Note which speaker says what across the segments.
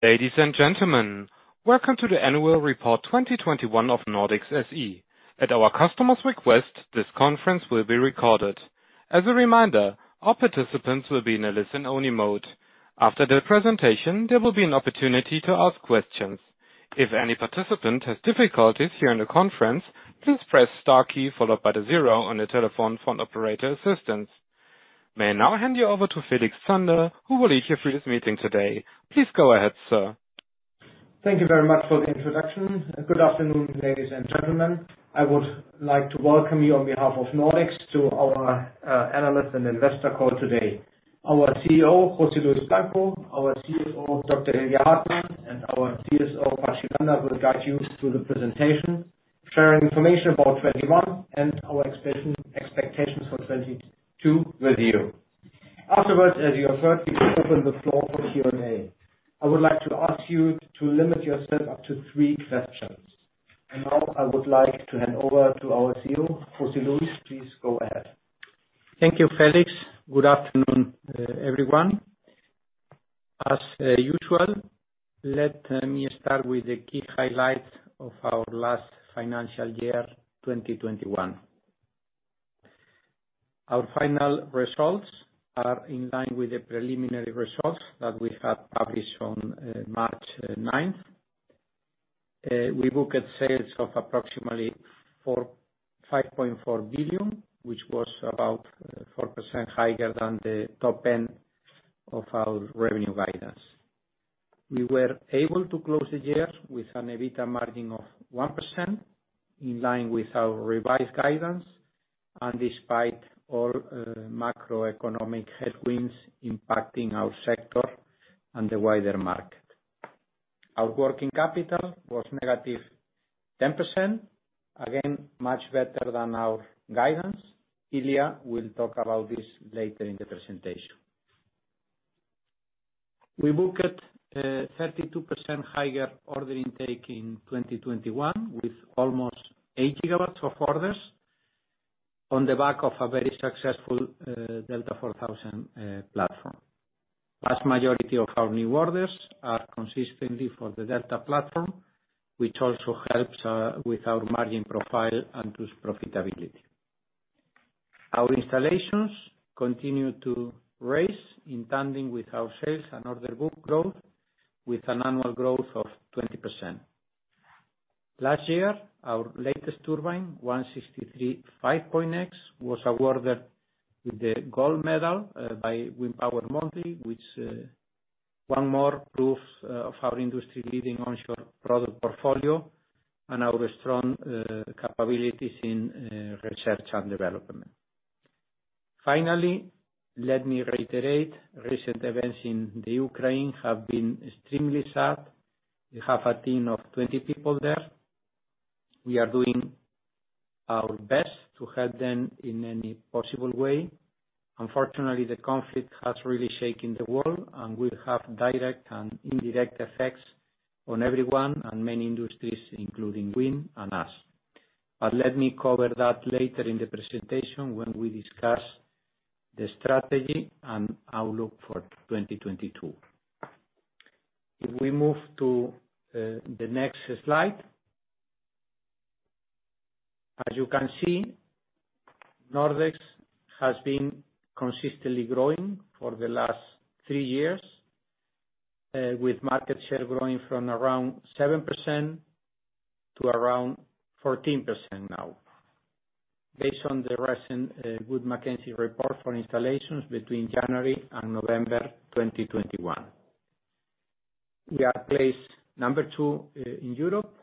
Speaker 1: Ladies and gentlemen, welcome to the annual report 2021 of Nordex SE. At our customer's request, this conference will be recorded. As a reminder, all participants will be in a listen-only mode. After the presentation, there will be an opportunity to ask questions. If any participant has difficulties hearing the conference, please press star key followed by the zero on your telephone for operator assistance. May I now hand you over to Felix Zander, who will lead you through this meeting today. Please go ahead, sir.
Speaker 2: Thank you very much for the introduction. Good afternoon, ladies and gentlemen. I would like to welcome you on behalf of Nordex to our analyst and investor call today. Our CEO, José Luis Blanco, our CFO, Dr. Ilya Hartmann, and our CSO, Patxi Landa, will guide you through the presentation, sharing information about 2021 and our expectations for 2022 with you. Afterwards, as you have heard, we will open the floor for Q&A. I would like to ask you to limit yourself up to three questions. Now, I would like to hand over to our CEO, José Luis. Please go ahead.
Speaker 3: Thank you, Felix. Good afternoon, everyone. As usual, let me start with the key highlights of our last financial year, 2021. Our final results are in line with the preliminary results that we had published on March 9. We booked sales of approximately 5.4 billion, which was about 4% higher than the top end of our revenue guidance. We were able to close the year with an EBITDA margin of 1%, in line with our revised guidance, and despite all macroeconomic headwinds impacting our sector and the wider market. Our working capital was -10%, again, much better than our guidance. Ilya will talk about this later in the presentation. We booked a 32% higher order intake in 2021, with almost 8 GW of orders on the back of a very successful Delta4000 platform. Vast majority of our new orders are consistently for the Delta platform, which also helps with our margin profile and boost profitability. Our installations continue to rise in tandem with our sales and order book growth with an annual growth of 20%. Last year, our latest turbine, N163/5.X, was awarded with the gold medal by Windpower Monthly, which one more proof of our industry-leading onshore product portfolio and our strong capabilities in research and development. Finally, let me reiterate, recent events in the Ukraine have been extremely sad. We have a team of 20 people there. We are doing our best to help them in any possible way. Unfortunately, the conflict has really shaken the world, and will have direct and indirect effects on everyone and many industries, including wind and us. Let me cover that later in the presentation when we discuss the strategy and outlook for 2022. If we move to the next slide. As you can see, Nordex has been consistently growing for the last three years, with market share growing from around 7% to around 14% now, based on the recent Wood Mackenzie report for installations between January and November 2021. We are placed number 2 in Europe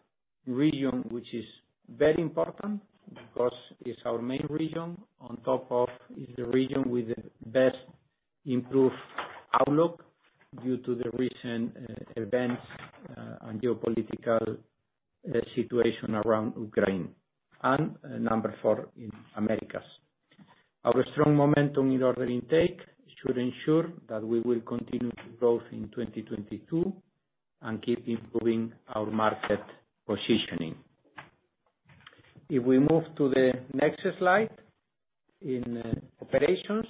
Speaker 3: region, which is very important because it's our main region, on top of that it's the region with the best improved outlook due to the recent events, and geopolitical situation around Ukraine, and number 4 in Americas. Our strong momentum in order intake should ensure that we will continue to grow in 2022 and keep improving our market positioning. If we move to the next slide. In operations,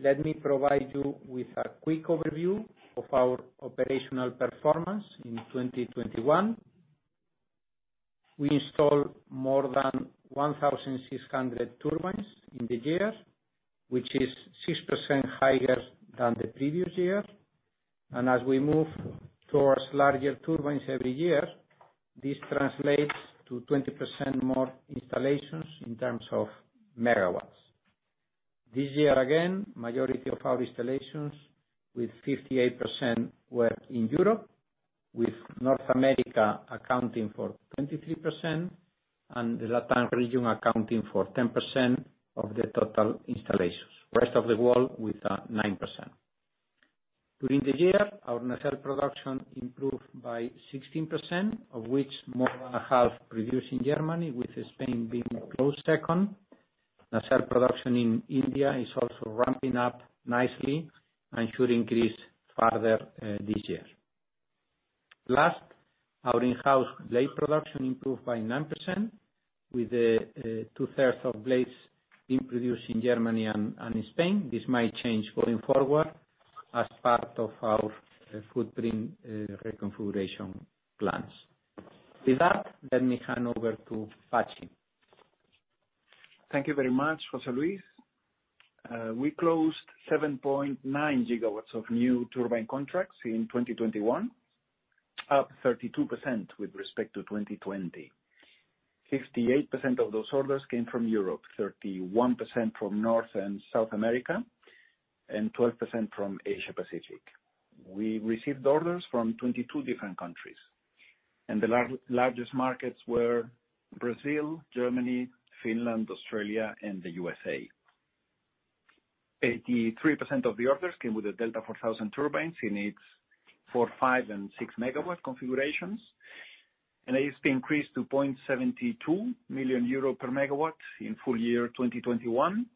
Speaker 3: let me provide you with a quick overview of our operational performance in 2021. We installed more than 1,600 turbines in the year, which is 6% higher than the previous year. As we move towards larger turbines every year, this translates to 20% more installations in terms of megawatts. This year, again, majority of our installations with 58% were in Europe, with North America accounting for 23%, and the LATAM region accounting for 10% of the total installations. Rest of the world with 9%. During the year, our nacelle production improved by 16%, of which more than half produced in Germany, with Spain being a close second. Nacelle production in India is also ramping up nicely and should increase further this year. Our in-house blade production improved by 9% with two-thirds of blades being produced in Germany and in Spain. This might change going forward as part of our footprint reconfiguration plans. With that, let me hand over to Patxi.
Speaker 4: Thank you very much, José Luis. We closed 7.9 GW of new turbine contracts in 2021, up 32% with respect to 2020. 68% of those orders came from Europe, 31% from North and South America, and 12% from Asia Pacific. We received orders from 22 different countries, and the largest markets were Brazil, Germany, Finland, Australia, and the USA. 83% of the orders came with the Delta4000 turbines in its 4 MW, 5MW, and 6 MW configurations. ASP increased to 0.72 million euro per MW in full year 2021,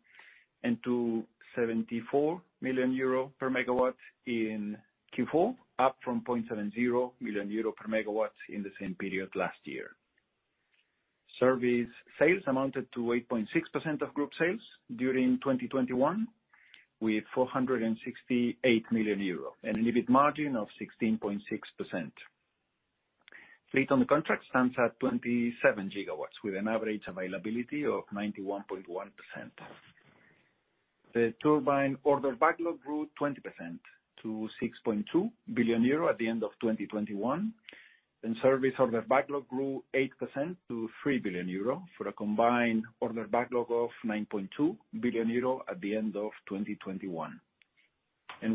Speaker 4: and to 0.74 million euro per MW in Q4, up from 0.70 million euro per MW in the same period last year. Service sales amounted to 8.6% of group sales during 2021, with 468 million euro, an EBIT margin of 16.6%. Fleet on the contract stands at 27 GW, with an average availability of 91.1%. The turbine order backlog grew 20% to 6.2 billion euro at the end of 2021. Service order backlog grew 8% to 3 billion euro for a combined order backlog of 9.2 billion euro at the end of 2021.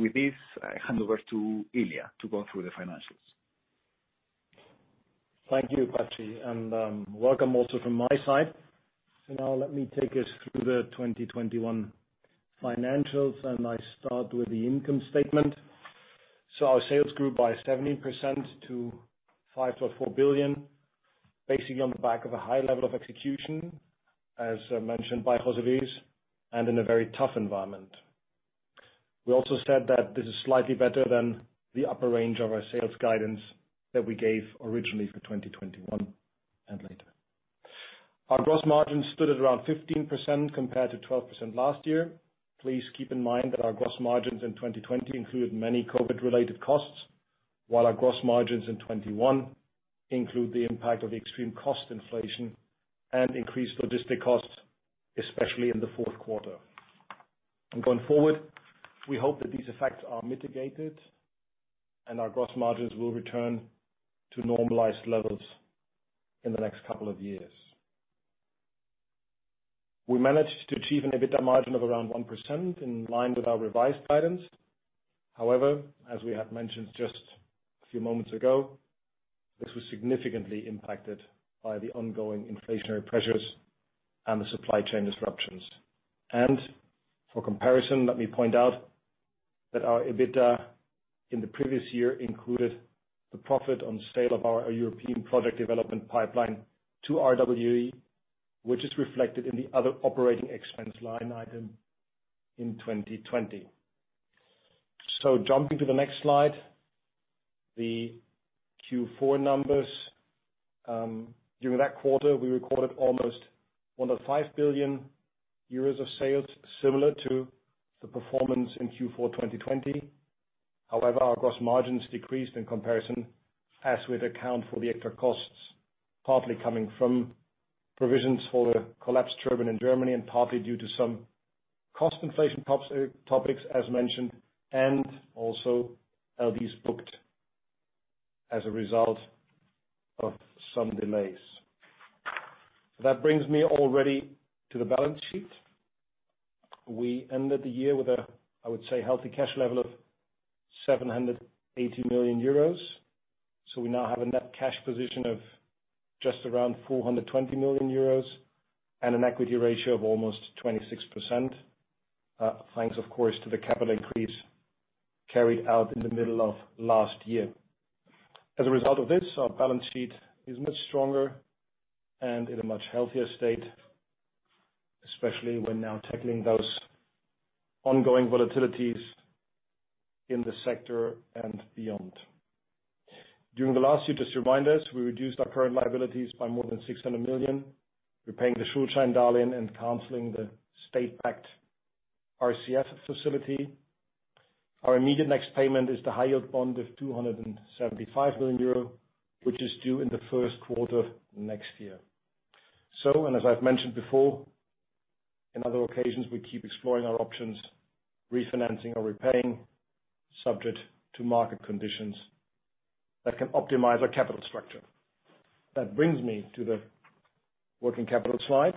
Speaker 4: With this, I hand over to Ilya to go through the financials.
Speaker 5: Thank you, Patxi, and welcome also from my side. Now let me take us through the 2021 financials, and I start with the income statement. Our sales grew by 70% to 5.4 billion, basically on the back of a high level of execution, as mentioned by José Luis, and in a very tough environment. We also said that this is slightly better than the upper range of our sales guidance that we gave originally for 2021 and later. Our gross margin stood at around 15% compared to 12% last year. Please keep in mind that our gross margins in 2020 include many COVID-related costs, while our gross margins in 2021 include the impact of the extreme cost inflation and increased logistic costs, especially in the fourth quarter. Going forward, we hope that these effects are mitigated and our gross margins will return to normalized levels in the next couple of years. We managed to achieve an EBITDA margin of around 1% in line with our revised guidance. However, as we have mentioned just a few moments ago, this was significantly impacted by the ongoing inflationary pressures and the supply chain disruptions. For comparison, let me point out that our EBITDA in the previous year included the profit on sale of our European project development pipeline to RWE, which is reflected in the other operating expense line item in 2020. Jumping to the next slide, the Q4 numbers. During that quarter, we recorded almost 1.5 billion euros of sales, similar to the performance in Q4 2020. However, our gross margins decreased in comparison, as we account for the extra costs, partly coming from provisions for the collapsed turbine in Germany and partly due to some cost inflation topics, as mentioned, and also LDs booked as a result of some delays. That brings me already to the balance sheet. We ended the year with a, I would say, healthy cash level of 780 million euros. We now have a net cash position of just around 420 million euros and an equity ratio of almost 26%. Thanks of course to the capital increase carried out in the middle of last year. As a result of this, our balance sheet is much stronger and in a much healthier state, especially when now tackling those ongoing volatilities in the sector and beyond. During the last year, just to remind us, we reduced our current liabilities by more than 600 million, repaying the Schuldscheindarlehen and canceling the state-backed RCF facility. Our immediate next payment is the high-yield bond of 275 million euro, which is due in the first quarter next year. As I've mentioned before, in other occasions, we keep exploring our options, refinancing or repaying, subject to market conditions that can optimize our capital structure. That brings me to the working capital slide.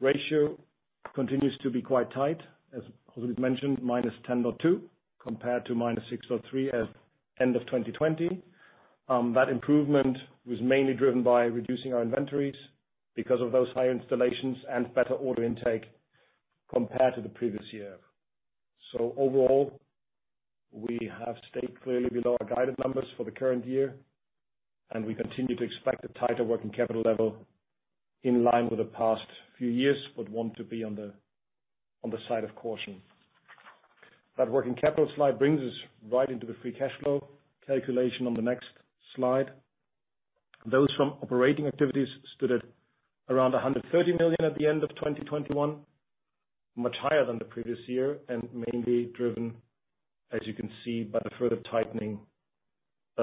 Speaker 5: Ratio continues to be quite tight, as José Luis mentioned, -10.2 compared to -6.3 at end of 2020. That improvement was mainly driven by reducing our inventories because of those high installations and better order intake compared to the previous year. Overall, we have stayed clearly below our guided numbers for the current year, and we continue to expect a tighter working capital level in line with the past few years, but want to be on the side of caution. That working capital slide brings us right into the free cash flow calculation on the next slide. Those from operating activities stood at around 130 million at the end of 2021, much higher than the previous year, and mainly driven, as you can see, by the further tightening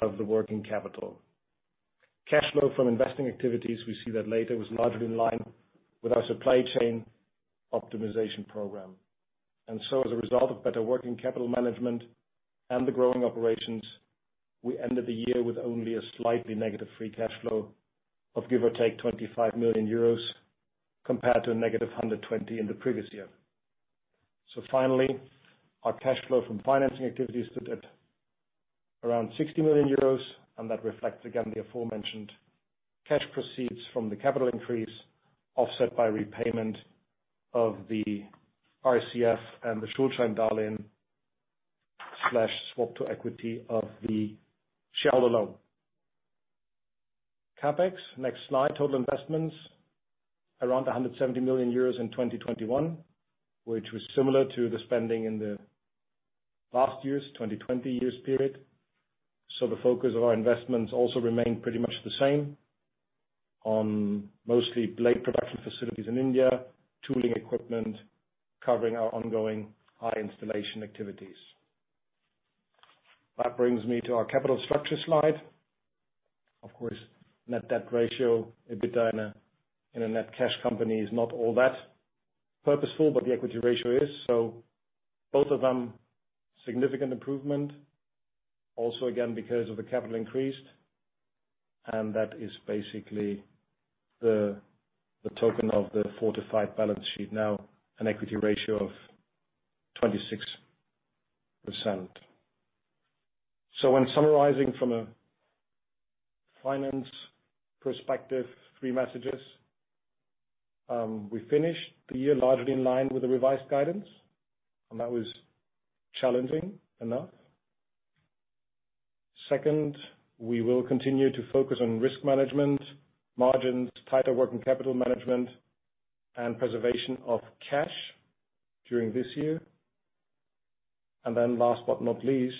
Speaker 5: of the working capital. Cash flow from investing activities, we see that later, was largely in line with our supply chain optimization program. As a result of better working capital management and the growing operations, we ended the year with only a slightly negative free cash flow of give or take 25 million euros compared to a negative 120 in the previous year. Finally, our cash flow from financing activities stood at around 60 million euros, and that reflects again the aforementioned cash proceeds from the capital increase, offset by repayment of the RCF and the Schuldscheindarlehen loan/swap to equity of the shareholder loan. CapEx, next slide. Total investments, around 170 million euros in 2021, which was similar to the spending in the last years, 2020-year period. The focus of our investments also remained pretty much the same on mostly blade production facilities in India, tooling equipment, covering our ongoing high installation activities. That brings me to our capital structure slide. Of course, net debt ratio, EBITDA, and a net cash company is not all that purposeful, but the equity ratio is. Both of them, significant improvement also, again, because of the capital increased, and that is basically the token of the fortified balance sheet, now an equity ratio of 26%. When summarizing from a finance perspective, three messages. We finished the year largely in line with the revised guidance, and that was challenging enough. Second, we will continue to focus on risk management, margins, tighter working capital management, and preservation of cash during this year. Last but not least,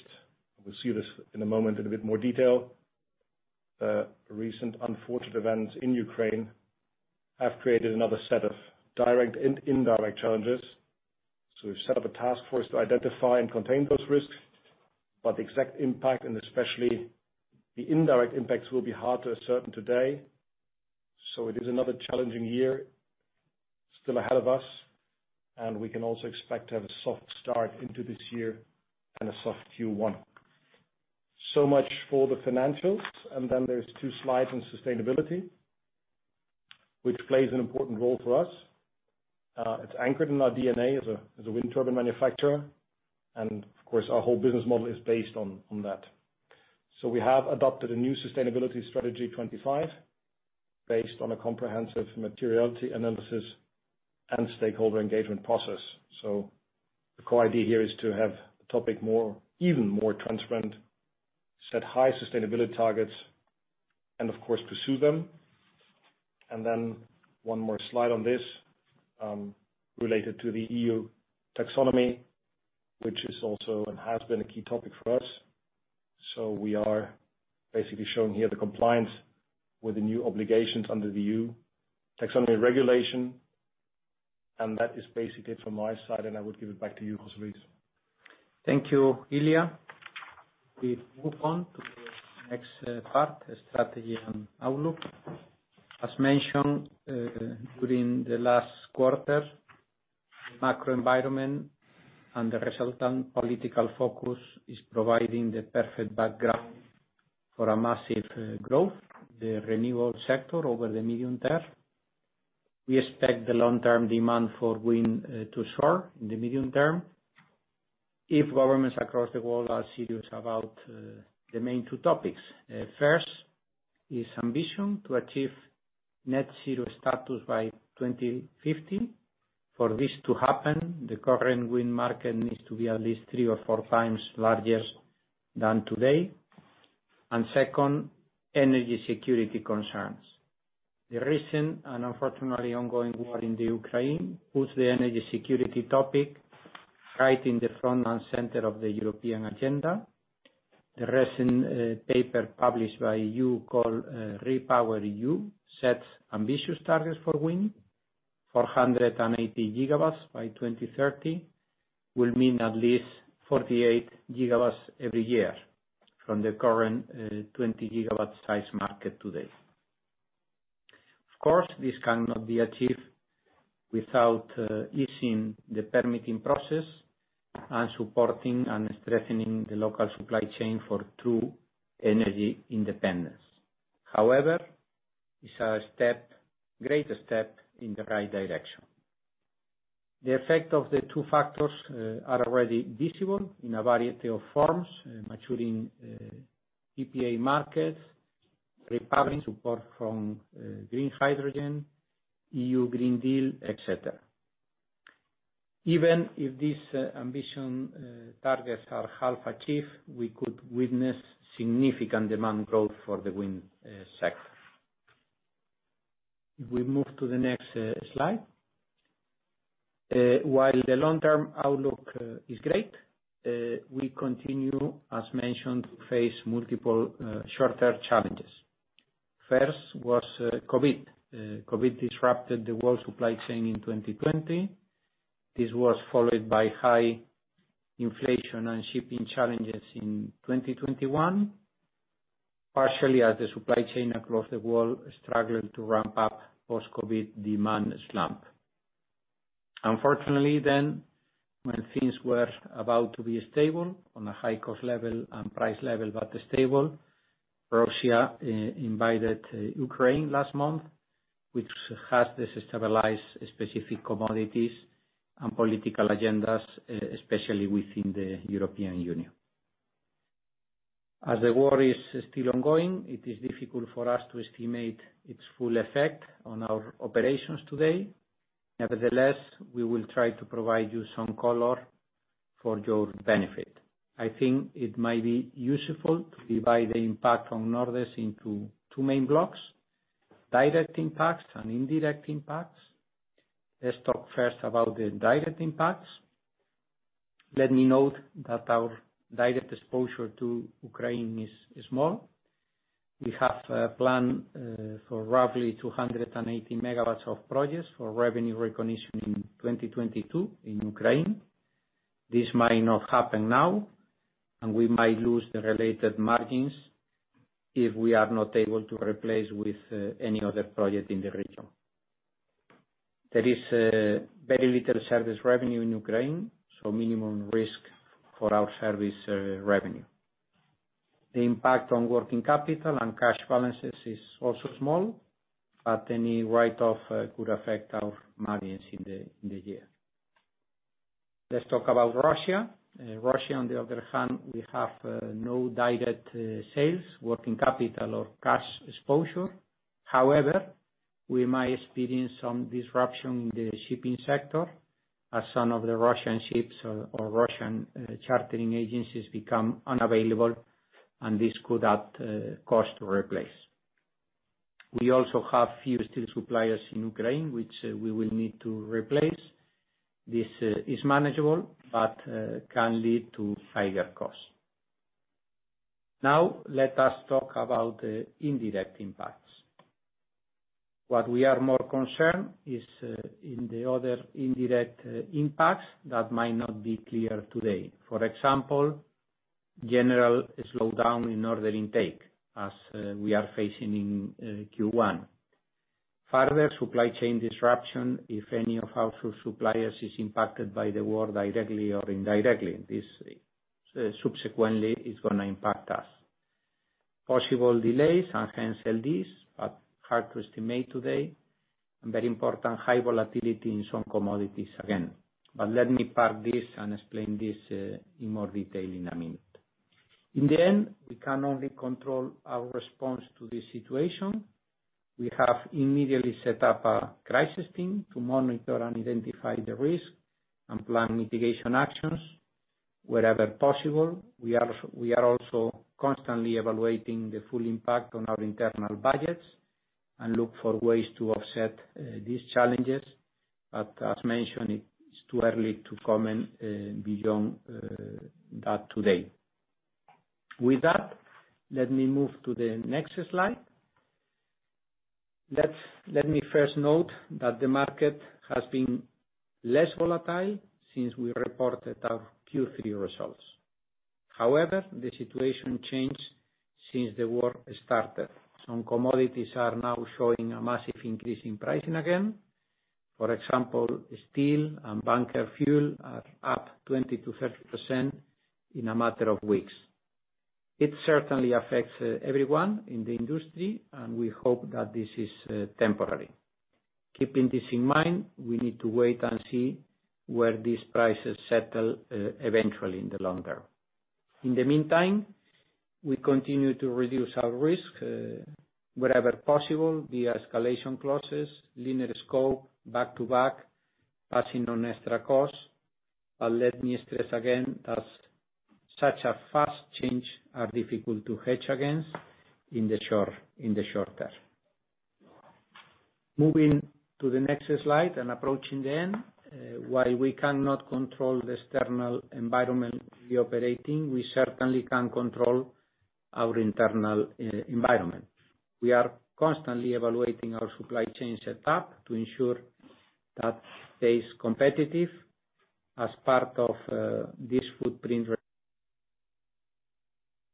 Speaker 5: we'll see this in a moment in a bit more detail, the recent unfortunate events in Ukraine have created another set of direct and indirect challenges. We've set up a task force to identify and contain those risks, but the exact impact, and especially the indirect impacts, will be hard to ascertain today. It is another challenging year still ahead of us, and we can also expect to have a soft start into this year and a soft Q1. Much for the financials. Then there's two slides on sustainability, which plays an important role for us. It's anchored in our DNA as a wind turbine manufacturer, and of course our whole business model is based on that. We have adopted a new sustainability strategy 2025 based on a comprehensive materiality analysis and stakeholder engagement process. The core idea here is to have the topic more even more transparent, set high sustainability targets, and of course, pursue them. Then one more slide on this, related to the EU Taxonomy, which is also, and has been a key topic for us. We are basically showing here the compliance with the new obligations under the EU Taxonomy regulation. That is basically it from my side, and I would give it back to you, José Luis.
Speaker 3: Thank you, Ilya. We move on to the next part, strategy and outlook. As mentioned during the last quarter, the macro environment and the resultant political focus is providing the perfect background for a massive growth, the renewable sector over the medium term. We expect the long-term demand for wind onshore in the medium term if governments across the world are serious about the main two topics. First is ambition to achieve net zero status by 2050. For this to happen, the current wind market needs to be at least 3 or 4x larger than today. Second, energy security concerns. The recent, and unfortunately ongoing, war in the Ukraine puts the energy security topic right in the front and center of the European agenda. The recent paper published by EU called REPowerEU sets ambitious targets for wind. 480 GW by 2030 will mean at least 48 GW every year from the current 20 GW market today. Of course, this cannot be achieved without easing the permitting process and supporting and strengthening the local supply chain for true energy independence. However, it's a step, great step in the right direction. The effect of the two factors are already visible in a variety of forms, maturing EPC markets, repowering support from green hydrogen, EU Green Deal, et cetera. Even if these ambitious targets are half achieved, we could witness significant demand growth for the wind sector. If we move to the next slide. While the long-term outlook is great, we continue, as mentioned, to face multiple short-term challenges. First was COVID. COVID disrupted the world supply chain in 2020. This was followed by high inflation and shipping challenges in 2021, partially as the supply chain across the world struggled to ramp up post-COVID demand slump. Unfortunately then, when things were about to be stable on a high cost level and price level, but stable, Russia invaded Ukraine last month, which has destabilized specific commodities and political agendas, especially within the European Union. As the war is still ongoing, it is difficult for us to estimate its full effect on our operations today. Nevertheless, we will try to provide you some color for your benefit. I think it might be useful to divide the impact on Nordex into two main blocks, direct impacts and indirect impacts. Let's talk first about the direct impacts. Let me note that our direct exposure to Ukraine is small. We have a plan for roughly 280 MW of projects for revenue recognition in 2022 in Ukraine. This might not happen now, and we might lose the related margins if we are not able to replace with any other project in the region. There is very little service revenue in Ukraine, so minimum risk for our service revenue. The impact on working capital and cash balances is also small, but any write-off could affect our margins in the year. Let's talk about Russia. Russia, on the other hand, we have no direct sales, working capital or cash exposure. However, we might experience some disruption in the shipping sector as some of the Russian ships or Russian chartering agencies become unavailable and this could add cost to replace. We also have few steel suppliers in Ukraine, which we will need to replace. This is manageable, but can lead to higher costs. Now, let us talk about the indirect impacts. What we are more concerned is in the other indirect impacts that might not be clear today. For example, general slowdown in order intake as we are facing in Q1. Further supply chain disruption, if any of our suppliers is impacted by the war directly or indirectly, this subsequently is gonna impact us. Possible delays and cancellation, but hard to estimate today. Very important, high volatility in some commodities again. Let me park this and explain this in more detail in a minute. In the end, we can only control our response to this situation. We have immediately set up a crisis team to monitor and identify the risk and plan mitigation actions wherever possible. We are also constantly evaluating the full impact on our internal budgets and look for ways to offset these challenges. As mentioned, it's too early to comment beyond that today. With that, let me move to the next slide. Let me first note that the market has been less volatile since we reported our Q3 results. However, the situation changed since the war started. Some commodities are now showing a massive increase in pricing again. For example, steel and bunker fuel are up 20%-30% in a matter of weeks. It certainly affects everyone in the industry, and we hope that this is temporary. Keeping this in mind, we need to wait and see where these prices settle, eventually in the long term. In the meantime, we continue to reduce our risk, wherever possible, via escalation clauses, leaner scope, back-to-back, passing on extra costs. Let me stress again that such a fast change are difficult to hedge against in the short term. Moving to the next slide and approaching the end. While we cannot control the external environment we're operating in, we certainly can control our internal environment. We are constantly evaluating our supply chain setup to ensure that it stays competitive. As part of this footprint,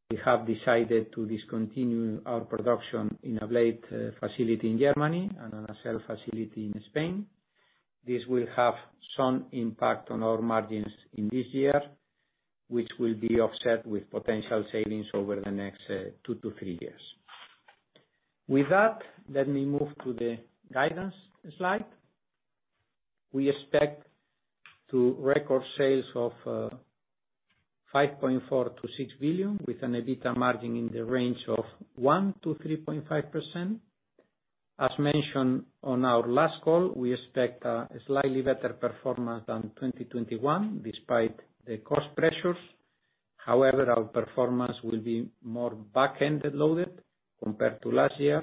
Speaker 3: we have decided to discontinue our production in blade facility in Germany and nacelle facility in Spain. This will have some impact on our margins in this year, which will be offset with potential savings over the next two to three years. With that, let me move to the guidance slide. We expect to record sales of 5.4 billion-6 billion, with an EBITDA margin in the range of 1%-3.5%. As mentioned on our last call, we expect a slightly better performance than 2021, despite the cost pressures. However, our performance will be more back-ended loaded compared to last year,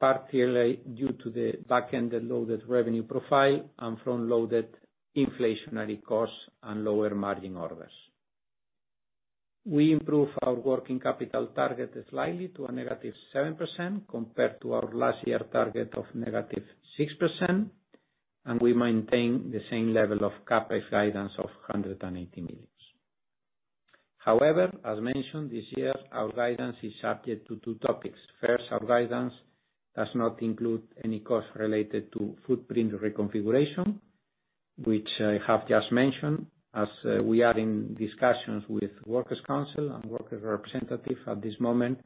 Speaker 3: partially due to the back-ended loaded revenue profile and front-loaded inflationary costs and lower margin orders. We improve our working capital target slightly to -7% compared to our last year target of -6%, and we maintain the same level of CapEx guidance of 180 million. However, as mentioned this year, our guidance is subject to two topics. First, our guidance does not include any costs related to footprint reconfiguration, which I have just mentioned. As we are in discussions with works council and workers' representatives at this moment,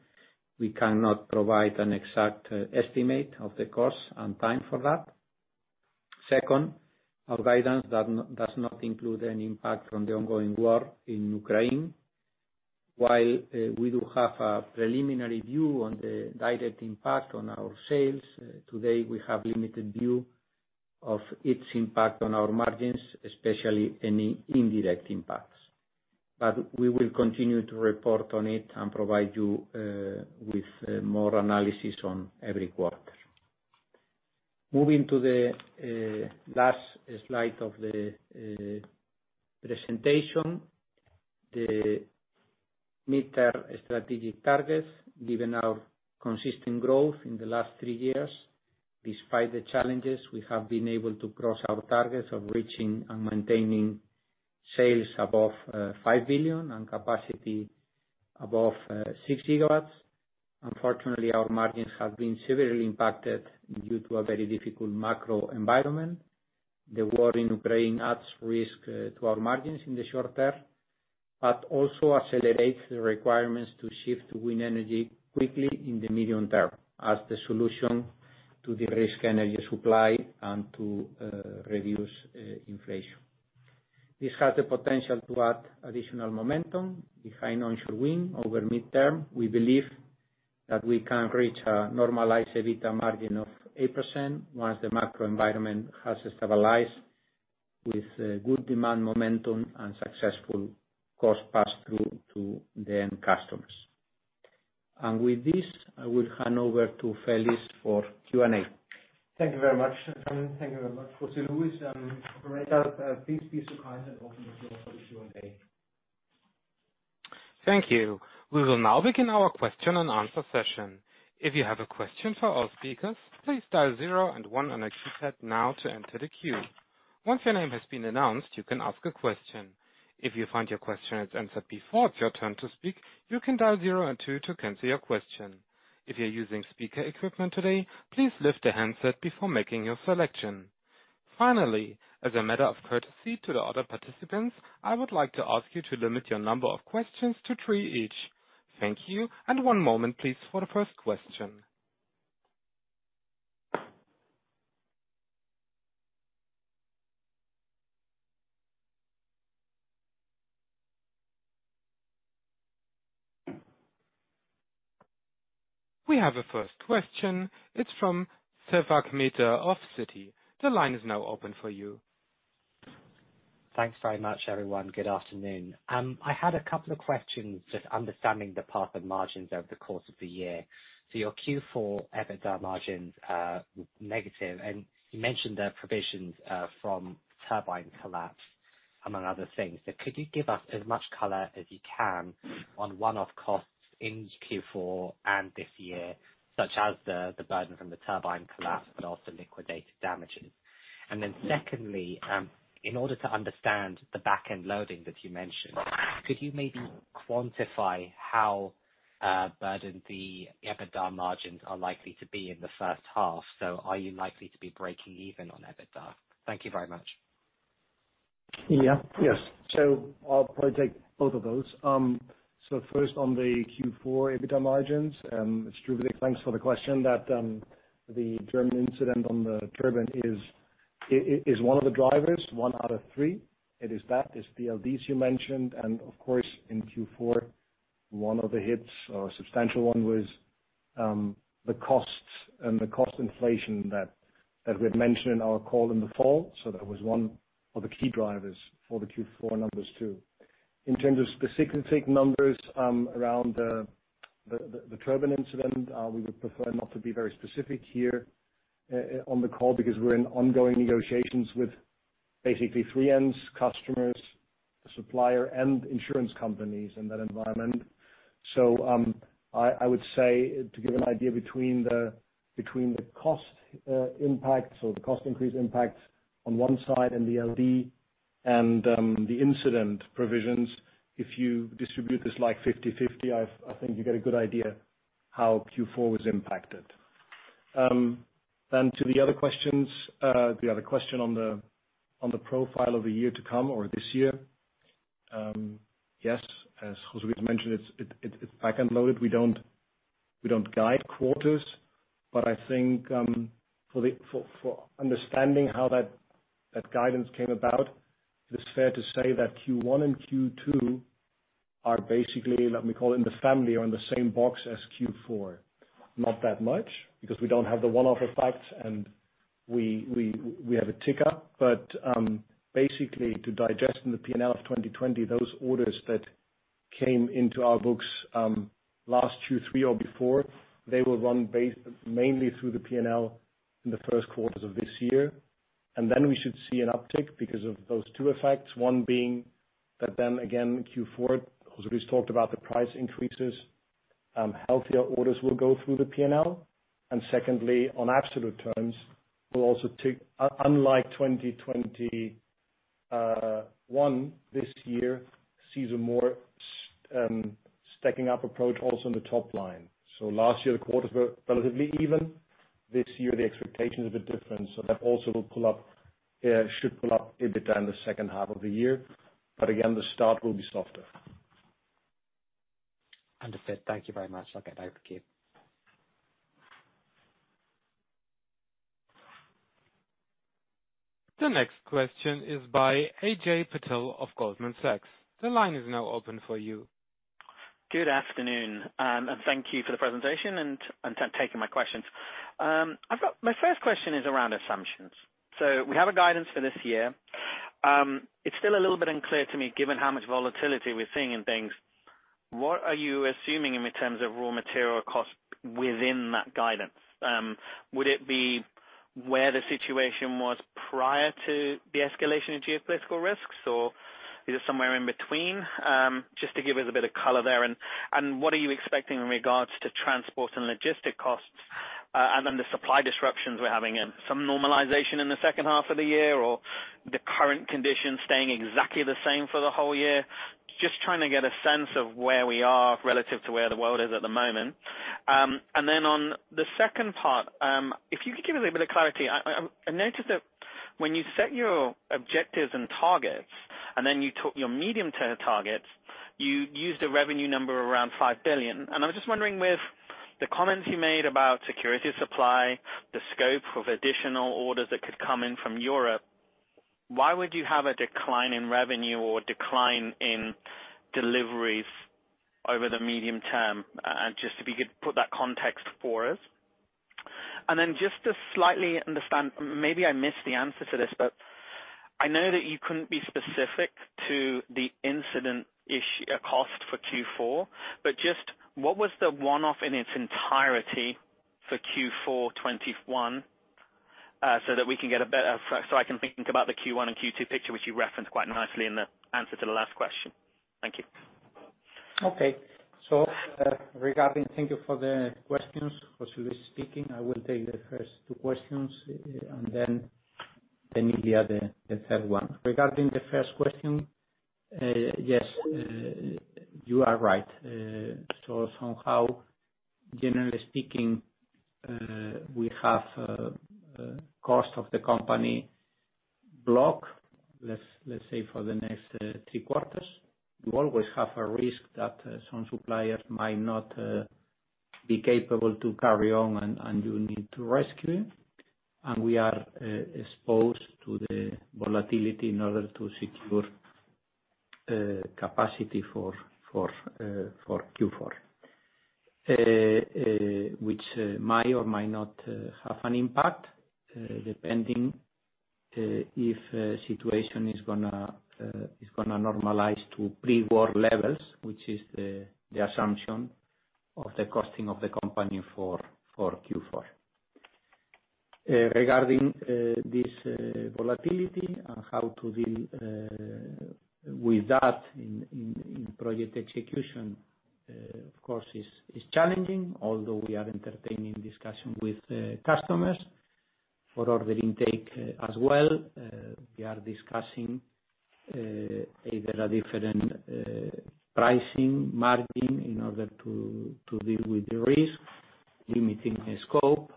Speaker 3: we cannot provide an exact estimate of the cost and time for that. Second, our guidance does not include any impact from the ongoing war in Ukraine. While we do have a preliminary view on the direct impact on our sales today, we have limited view of its impact on our margins, especially any indirect impacts. We will continue to report on it and provide you with more analysis on every quarter. Moving to the last slide of the presentation. The mid-term strategic targets, given our consistent growth in the last three years, despite the challenges, we have been able to cross our targets of reaching and maintaining sales above 5 billion and capacity above 6 GW. Unfortunately, our margins have been severely impacted due to a very difficult macro environment. The war in Ukraine adds risk to our margins in the short term, but also accelerates the requirements to shift to wind energy quickly in the medium term as the solution to the energy supply risk and to reduce inflation. This has the potential to add additional momentum behind onshore wind over midterm. We believe that we can reach a normalized EBITDA margin of 8% once the macro environment has stabilized with good demand momentum and successful cost pass-through to the end customers. With this, I will hand over to Felix for Q&A.
Speaker 2: Thank you very much. Thank you very much, José Luis. Operator, please be so kind and open the floor for the Q&A.
Speaker 1: Thank you. We will now begin our question and answer session. If you have a question for our speakers, please dial zero and one on your keypad now to enter the queue. Once your name has been announced, you can ask a question. If you find your question is answered before it's your turn to speak, you can dial zero and two to cancel your question. If you're using speaker equipment today, please lift the handset before making your selection. Finally, as a matter of courtesy to the other participants, I would like to ask you to limit your number of questions to three each. Thank you, and one moment please for the first question. We have a first question. It's from Vivek Midha of Citi. The line is now open for you.
Speaker 6: Thanks very much, everyone. Good afternoon. I had a couple of questions, just understanding the path of margins over the course of the year. Your Q4 EBITDA margins are negative, and you mentioned the provisions from turbine collapse, among other things. Could you give us as much color as you can on one-off costs in Q4 and this year, such as the burden from the turbine collapse, but also liquidated damages? Secondly, in order to understand the back-end loading that you mentioned, could you maybe quantify how burdened the EBITDA margins are likely to be in the first half? Are you likely to be breaking even on EBITDA? Thank you very much.
Speaker 5: I'll probably take both of those. First on the Q4 EBITDA margins, Vivek, thanks for the question. The German incident on the turbine is one of the drivers, one out of three. It's LDs you mentioned, and of course, in Q4, one of the hits or a substantial one was the costs and the cost inflation that we had mentioned in our call in the fall. That was one of the key drivers for the Q4 numbers too. In terms of specific numbers, around the turbine incident, we would prefer not to be very specific here on the call because we're in ongoing negotiations with basically three entities, customers, supplier, and insurance companies in that environment. I would say to give an idea between the cost impact or the cost increase impact on one side and the LD and the incident provisions, if you distribute this like 50/50, I think you get a good idea how Q4 was impacted. To the other questions. The other question on the profile of the year to come or this year. Yes, as José Luis mentioned, it's back end loaded. We don't guide quarters, but I think for understanding how that guidance came about, it is fair to say that Q1 and Q2 are basically, let me call it, in the family or in the same box as Q4. Not that much because we don't have the one-off effects. We have a tick up, but basically to digest in the P&L of 2020, those orders that came into our books last Q3 or before, they will run mainly through the P&L in the first quarters of this year. Then we should see an uptick because of those two effects. One being that then again, Q4, José's talked about the price increases, healthier orders will go through the P&L. Secondly, on absolute terms, we'll also tick up unlike 2021, this year sees a more stacking up approach also in the top line. Last year, the quarters were relatively even. This year, the expectations are a bit different, so that also will pull up, should pull up a bit in the second half of the year. Again, the start will be softer.
Speaker 6: Understood. Thank you very much. Talk again.
Speaker 1: The next question is by Ajay Patel of Goldman Sachs. The line is now open for you.
Speaker 7: Good afternoon, and thank you for the presentation and taking my questions. My first question is around assumptions. We have a guidance for this year. It's still a little bit unclear to me, given how much volatility we're seeing in things, what are you assuming in terms of raw material costs within that guidance? Would it be where the situation was prior to the escalation of geopolitical risks, or is it somewhere in between? Just to give us a bit of color there. What are you expecting in regards to transport and logistics costs, and then the supply disruptions we're having assuming some normalization in the second half of the year or the current conditions staying exactly the same for the whole year? Just trying to get a sense of where we are relative to where the world is at the moment. Then on the second part, if you could give us a bit of clarity. I noticed that when you set your objectives and targets, and then you took your medium-term targets, you used a revenue number around 5 billion. I'm just wondering with the comments you made about security of supply, the scope of additional orders that could come in from Europe, why would you have a decline in revenue or decline in deliveries over the medium term? Just if you could put that context for us. Just to slightly understand, maybe I missed the answer to this, but I know that you couldn't be specific to the incident issue cost for Q4, but just what was the one-off in its entirety for Q4 2021, so that I can think about the Q1 and Q2 picture, which you referenced quite nicely in the answer to the last question. Thank you.
Speaker 3: Thank you for the questions. José speaking. I will take the first two questions, and then Ilya, the third one. Regarding the first question, yes, you are right. Somehow, generally speaking, we have costs of the company blocked, let's say, for the next three quarters. We always have a risk that some suppliers might not be capable to carry on, and you need to rescue. We are exposed to the volatility in order to secure capacity for Q4, which may or may not have an impact, depending if situation is gonna normalize to pre-war levels, which is the assumption of the costing of the company for Q4. Regarding this volatility and how to deal with that in project execution, of course, is challenging, although we are entertaining discussion with customers for order intake as well. We are discussing if there are different pricing margin in order to deal with the risk, limiting the scope,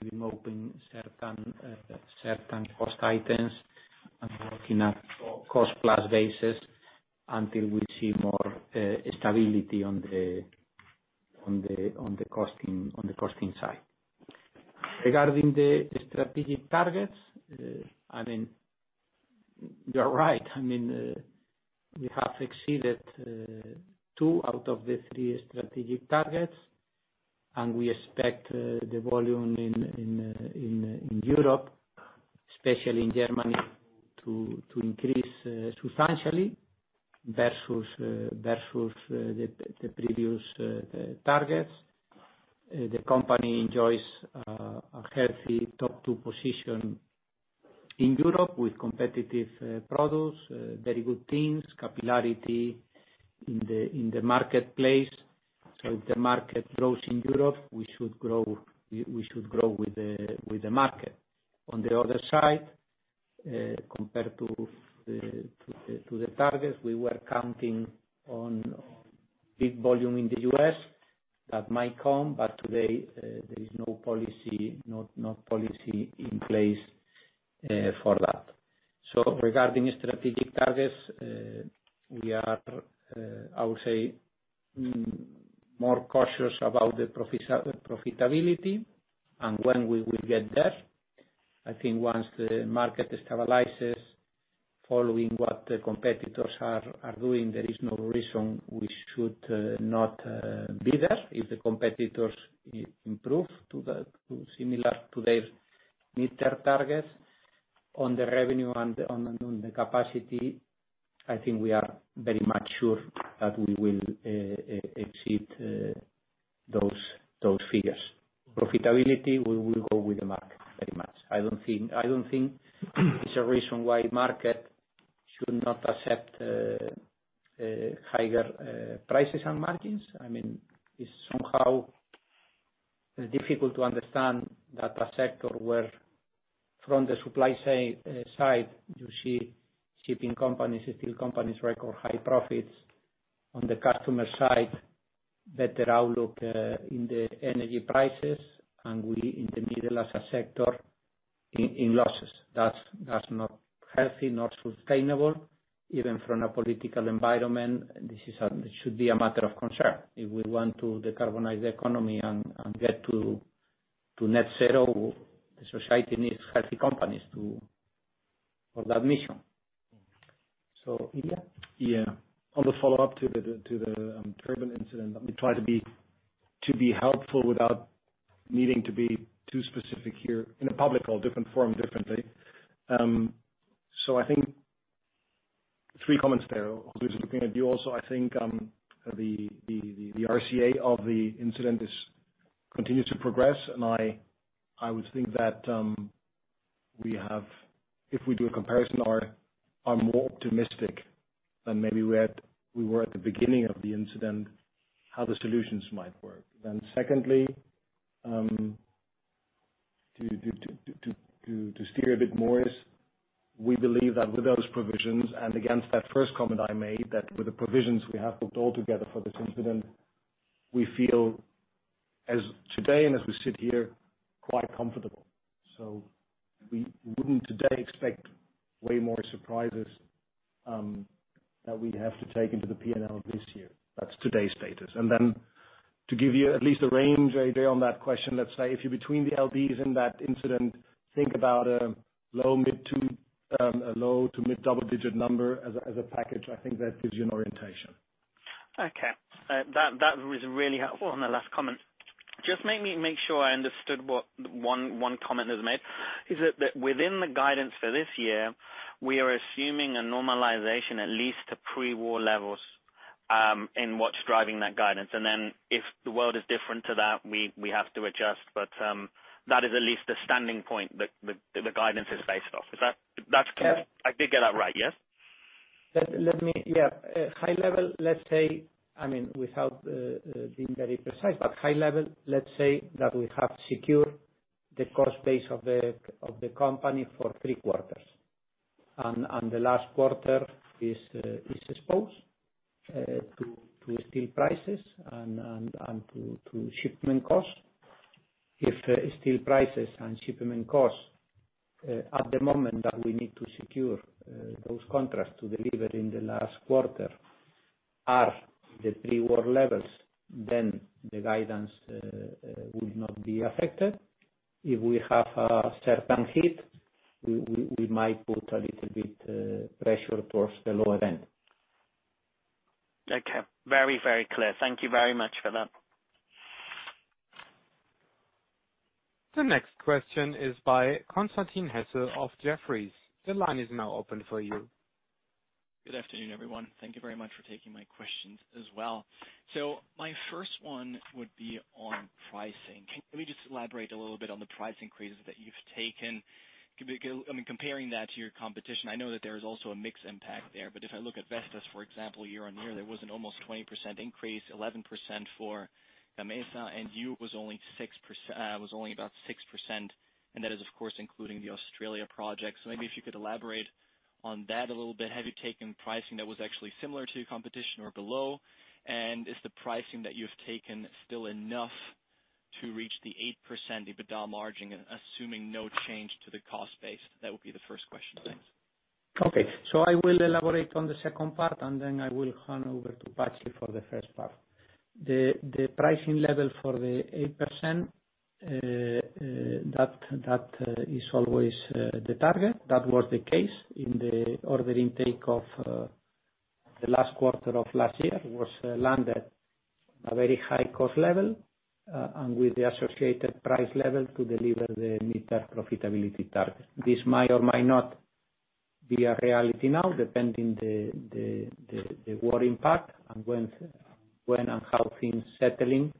Speaker 3: giving open certain cost items and working at co-cost plus basis until we see more stability on the costing side. Regarding the strategic targets, I mean, you are right. I mean, we have exceeded two out of the three strategic targets, and we expect the volume in Europe, especially in Germany, to increase substantially versus the previous targets. The company enjoys a healthy top two position in Europe with competitive products, very good teams, capillarity in the marketplace. If the market grows in Europe, we should grow with the market. On the other side, compared to the targets, we were counting on big volume in the U.S. that might come, but today there is no policy in place for that. Regarding strategic targets, we are, I would say, more cautious about the profitability and when we will get there. I think once the market stabilizes. Following what the competitors are doing, there is no reason we should not be there if the competitors improve to similar to their mid-term targets on the revenue and on the capacity. I think we are very much sure that we will exceed those figures. Profitability, we will go with the market very much. I don't think there's a reason why the market should not accept higher prices and margins. I mean, it's somehow difficult to understand that a sector where from the supply side, you see shipping companies, steel companies record high profits. On the customer side, better outlook in the energy prices, and we in the middle as a sector in losses. That's not healthy, not sustainable, even from a political environment. It should be a matter of concern if we want to decarbonize the economy and get to net zero. The society needs healthy companies for that mission. Ilya?
Speaker 5: On the follow-up to the turbine incident, let me try to be helpful without needing to be too specific here in a public or different forum differently. I think three comments there. José is looking at you also. I think the RCA of the incident continues to progress, and I would think that we are more optimistic than maybe we were at the beginning of the incident, how the solutions might work. Secondly, to steer a bit more, we believe that with those provisions and against that first comment I made, that with the provisions we have put all together for this incident, we feel as of today and as we sit here quite comfortable. We wouldn't today expect way more surprises that we'd have to take into the P&L this year. That's today's status. Then to give you at least a range, Ajay, on that question, let's say if you're between the LDs in that incident, think about a low- to mid-double-digit number as a package. I think that gives you an orientation.
Speaker 7: Okay. That was really helpful on the last comment. Just make sure I understood what one comment that was made, is it that within the guidance for this year, we are assuming a normalization at least to pre-war levels, in what's driving that guidance? If the world is different to that, we have to adjust. That is at least the starting point the guidance is based off. Is that? That's clear.
Speaker 3: Yeah.
Speaker 7: I did get that right, yes?
Speaker 3: Yeah. High level, let's say, I mean, without being very precise, but high level, let's say that we have secured the cost base of the company for three quarters, and the last quarter is exposed to steel prices and to shipment costs. If steel prices and shipment costs at the moment that we need to secure those contracts to deliver in the last quarter are the pre-war levels, then the guidance would not be affected. If we have a certain hit, we might put a little bit pressure towards the lower end.
Speaker 7: Okay. Very, very clear. Thank you very much for that.
Speaker 1: The next question is by Constantin Hesse of Jefferies. The line is now open for you.
Speaker 8: Good afternoon, everyone. Thank you very much for taking my questions as well. My first one would be on pricing. Can you just elaborate a little bit on the price increases that you've taken? I mean, comparing that to your competition, I know that there is also a mix impact there, but if I look at Vestas, for example, year-on-year, there was an almost 20% increase, 11% for Gamesa, and you was only about 6%, and that is of course including the Australia project. Maybe if you could elaborate on that a little bit. Have you taken pricing that was actually similar to your competition or below? And is the pricing that you've taken still enough to reach the 8% EBITDA margin, assuming no change to the cost base? That would be the first question. Thanks.
Speaker 3: Okay. I will elaborate on the second part, and then I will hand over to Patxi for the first part. The pricing level for the 8% that is always the target. That was the case in the order intake of the last quarter of last year landed a very high cost level and with the associated price level to deliver the mid-term profitability target. This might or might not be a reality now, depending on the war impact and when and how things settling,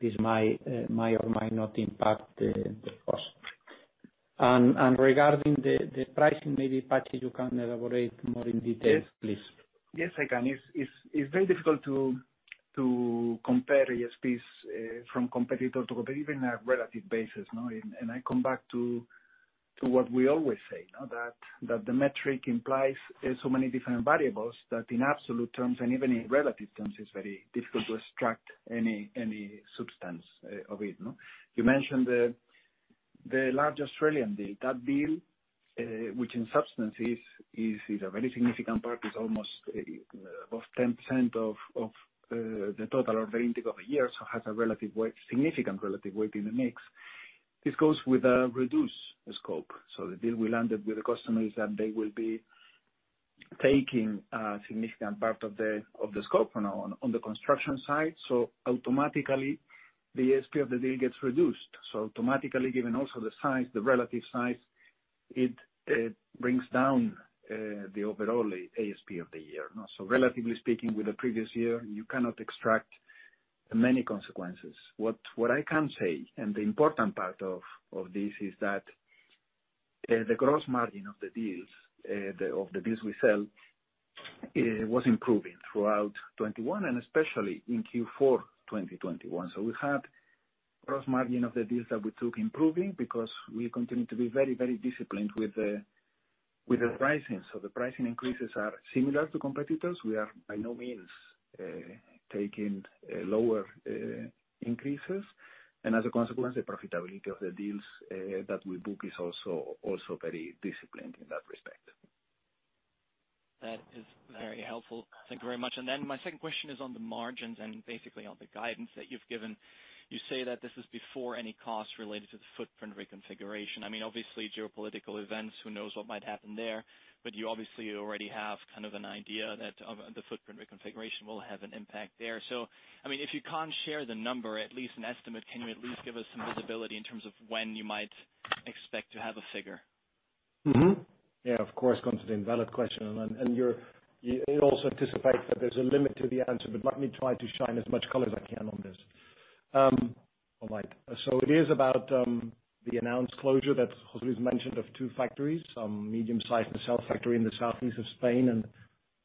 Speaker 3: this might or might not impact the cost. Regarding the pricing, maybe, Patxi, you can elaborate more in detail, please.
Speaker 4: Yes, I can. It's very difficult to compare ASPs from competitor to competitor even at relative basis, you know. I come back to what we always say, you know, that the metric implies so many different variables that in absolute terms and even in relative terms, it's very difficult to extract any substance of it, you know. You mentioned the large Australian deal. That deal, which in substance is a very significant part, is almost above 10% of the total order intake of a year, so has a significant relative weight in the mix. This goes with a reduced scope. The deal we landed with the customer is that they will be taking a significant part of the scope on the construction side. Automatically the ASP of the deal gets reduced. Automatically, given also the size, the relative size, it brings down the overall ASP of the year. Relatively speaking, with the previous year, you cannot extract many consequences. What I can say, and the important part of this is that the gross margin of the deals we sell was improving throughout 2021 and especially in Q4 2021. We had gross margin of the deals that we took improving because we continue to be very, very disciplined with the pricing. The pricing increases are similar to competitors. We are by no means taking lower increases. As a consequence, the profitability of the deals that we book is also very disciplined in that respect.
Speaker 8: That is very helpful. Thank you very much. My second question is on the margins and basically on the guidance that you've given. You say that this is before any cost related to the footprint reconfiguration. I mean, obviously geopolitical events, who knows what might happen there, but you obviously already have kind of an idea that, the footprint reconfiguration will have an impact there. I mean, if you can't share the number, at least an estimate, can you at least give us some visibility in terms of when you might expect to have a figure?
Speaker 5: Yeah, of course. Coming to the inevitable question and you also anticipate that there's a limit to the answer, but let me try to shine as much color as I can on this. All right. It is about the announced closure that José Luis mentioned of two factories, medium-sized steel factory in the southeast of Spain and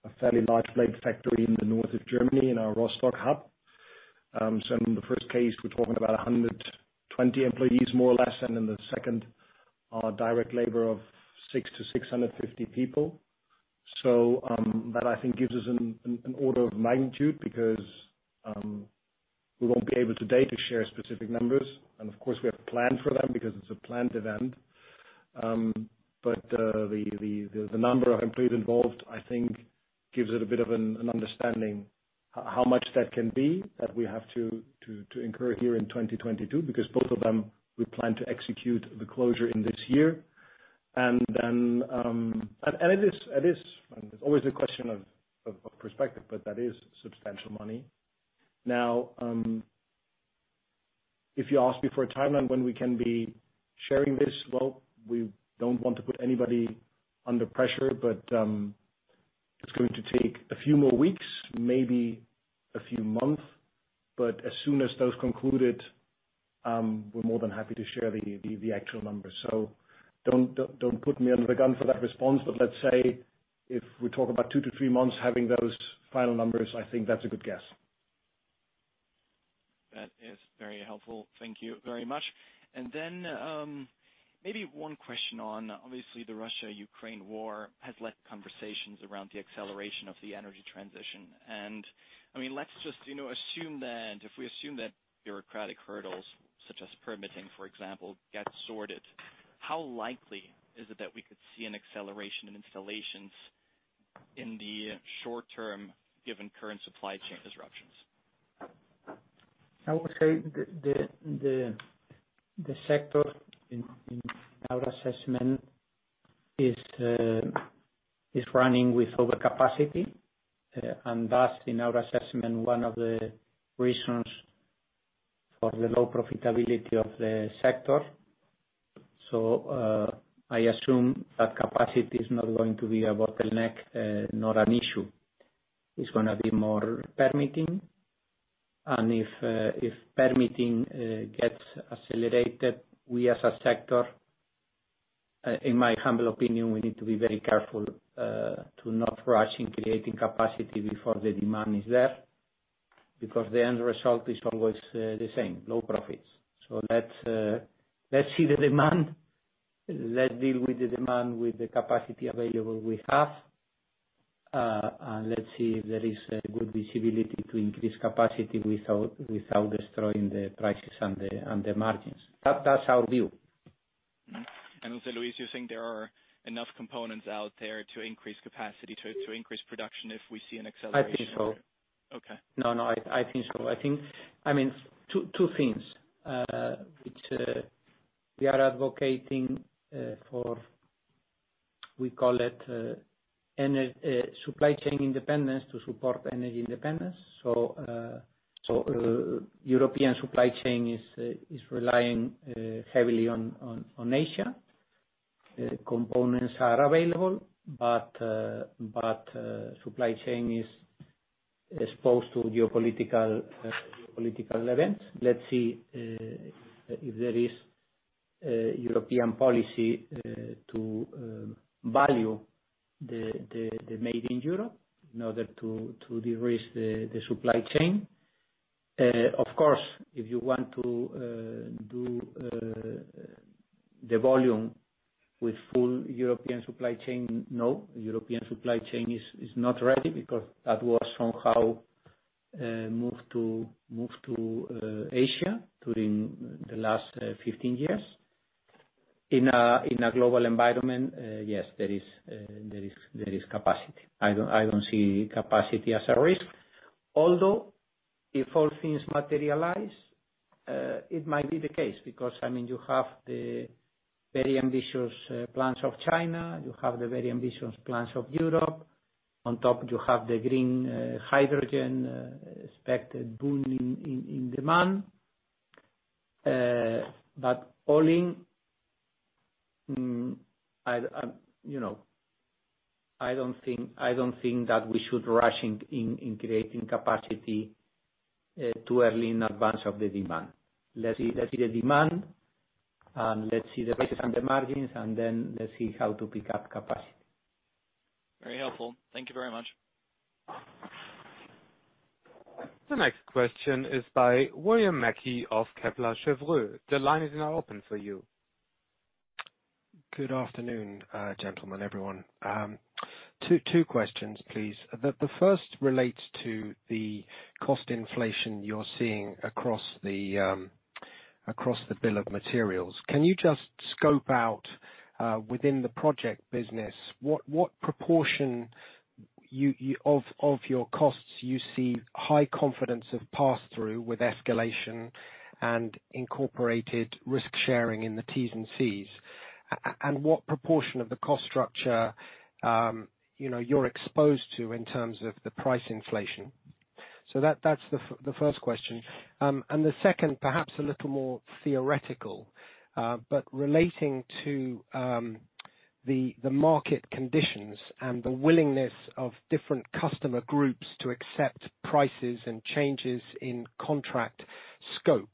Speaker 5: a fairly large blade factory in the north of Germany in our Rostock hub. In the first case, we're talking about 120 employees, more or less, and in the second, direct labor of 600-650 people. That I think gives us an order of magnitude because we won't be able today to share specific numbers. Of course, we have planned for them because it's a planned event. The number of employees involved, I think gives it a bit of an understanding how much that can be that we have to incur here in 2022, because both of them we plan to execute the closure in this year. It is always a question of perspective, but that is substantial money. If you ask me for a timeline when we can be sharing this, well, we don't want to put anybody under pressure, but it's going to take a few more weeks, maybe a few months. As soon as those concluded, we're more than happy to share the actual numbers. Don't put me under the gun for that response. Let's say if we talk about 2-3 months having those final numbers, I think that's a good guess.
Speaker 8: That is very helpful. Thank you very much. Then, maybe one question on obviously, the Russia-Ukraine war has led to conversations around the acceleration of the energy transition. I mean, let's just, you know, assume that if we assume that bureaucratic hurdles, such as permitting, for example, get sorted, how likely is it that we could see an acceleration in installations in the short term, given current supply chain disruptions?
Speaker 3: I would say the sector in our assessment is running with overcapacity, and that's in our assessment one of the reasons for the low profitability of the sector. I assume that capacity is not going to be a bottleneck nor an issue. It's gonna be more permitting. If permitting gets accelerated, we as a sector, in my humble opinion, we need to be very careful to not rush in creating capacity before the demand is there, because the end result is always the same, low profits. Let's see the demand. Let's deal with the demand with the capacity available we have. Let's see if there is a good visibility to increase capacity without destroying the prices and the margins. That's our view.
Speaker 8: José Luis, you're saying there are enough components out there to increase capacity, to increase production if we see an acceleration?
Speaker 3: I think so.
Speaker 8: Okay.
Speaker 3: No, I think so. I think I mean two things which we are advocating for. We call it energy supply chain independence to support energy independence. European supply chain is relying heavily on Asia. Components are available, but supply chain is exposed to geopolitical events. Let's see if there is a European policy to value the made in Europe in order to de-risk the supply chain. Of course, if you want to do the volume with full European supply chain, no, European supply chain is not ready because that was somehow moved to Asia during the last 15 years. In a global environment, yes, there is capacity. I don't see capacity as a risk. Although if all things materialize, it might be the case because, I mean, you have the very ambitious plans of China, you have the very ambitious plans of Europe. On top, you have the green hydrogen expected boom in demand. But all in, you know, I don't think that we should rush in creating capacity too early in advance of the demand. Let's see the demand and let's see the prices and the margins, and then let's see how to pick up capacity.
Speaker 8: Very helpful. Thank you very much.
Speaker 1: The next question is by William Mackie of Kepler Cheuvreux. The line is now open for you.
Speaker 9: Good afternoon, gentlemen, everyone. Two questions, please. The first relates to the cost inflation you're seeing across the bill of materials. Can you just scope out within the project business what proportion of your costs you see high confidence of pass-through with escalation and incorporated risk-sharing in the T's and C's? And what proportion of the cost structure, you know, you're exposed to in terms of the price inflation? That's the first question. And the second, perhaps a little more theoretical, but relating to the market conditions and the willingness of different customer groups to accept prices and changes in contract scope.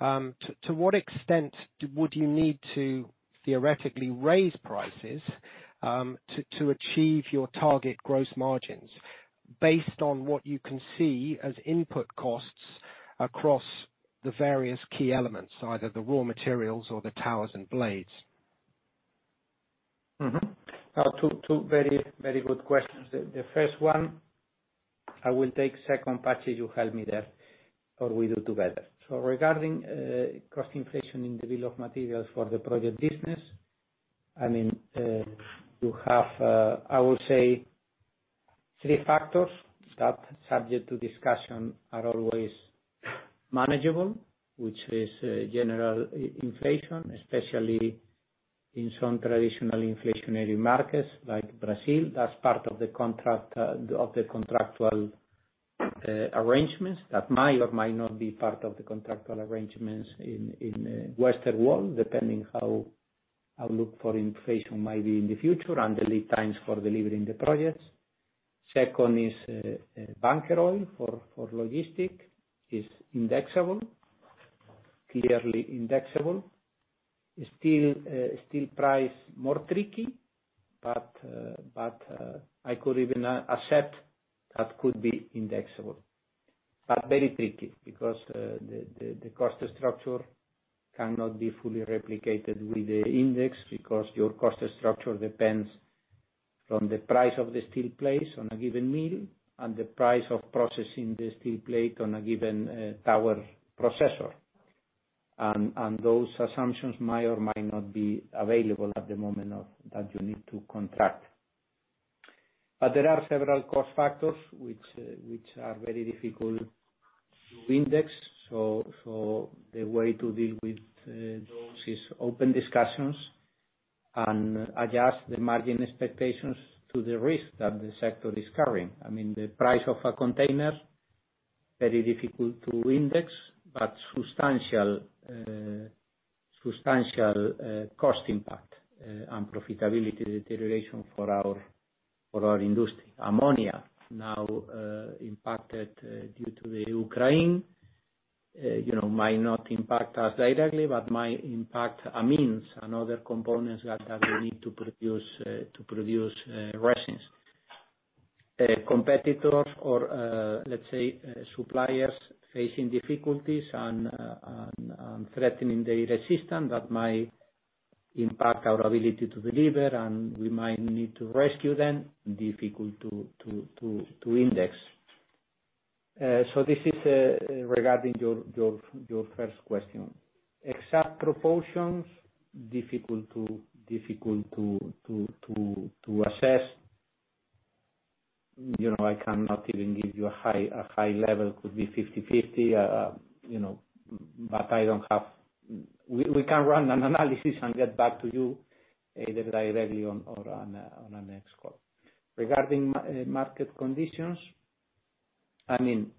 Speaker 9: To what extent would you need to theoretically raise prices to achieve your target gross margins based on what you can see as input costs across the various key elements, either the raw materials or the towers and blades?
Speaker 3: Two very good questions. The first one I will take, second Patxi, you help me there, or we do together. Regarding cost inflation in the bill of materials for the project business, I mean, you have, I would say three factors that, subject to discussion, are always manageable, which is general inflation, especially in some traditional inflationary markets like Brazil. That's part of the contract of the contractual arrangements. That might or might not be part of the contractual arrangements in western world, depending how outlook for inflation might be in the future and the lead times for delivering the projects. Second is bunker oil for logistics. Is indexable, clearly indexable. Steel price, more tricky, but I could even accept that could be indexable. Very tricky because the cost structure cannot be fully replicated with the index because your cost structure depends from the price of the steel plates on a given mill and the price of processing the steel plate on a given tower processor. And those assumptions might or might not be available at the moment that you need to contract. There are several cost factors which are very difficult to index. The way to deal with those is open discussions and adjust the margin expectations to the risk that the sector is carrying. I mean, the price of a container, very difficult to index, but substantial cost impact and profitability deterioration for our industry. Ammonia now impacted due to the Ukraine, you know, might not impact us directly, but might impact amines and other components that we need to produce resins. Competitors or, let's say, suppliers facing difficulties and threatening the system that might impact our ability to deliver, and we might need to rescue them, difficult to index. This is regarding your first question. Exact proportions, difficult to assess. You know, I cannot even give you a high level. Could be 50-50, you know, but I don't have. We can run an analysis and get back to you either directly or on our next call. Regarding market conditions, I mean,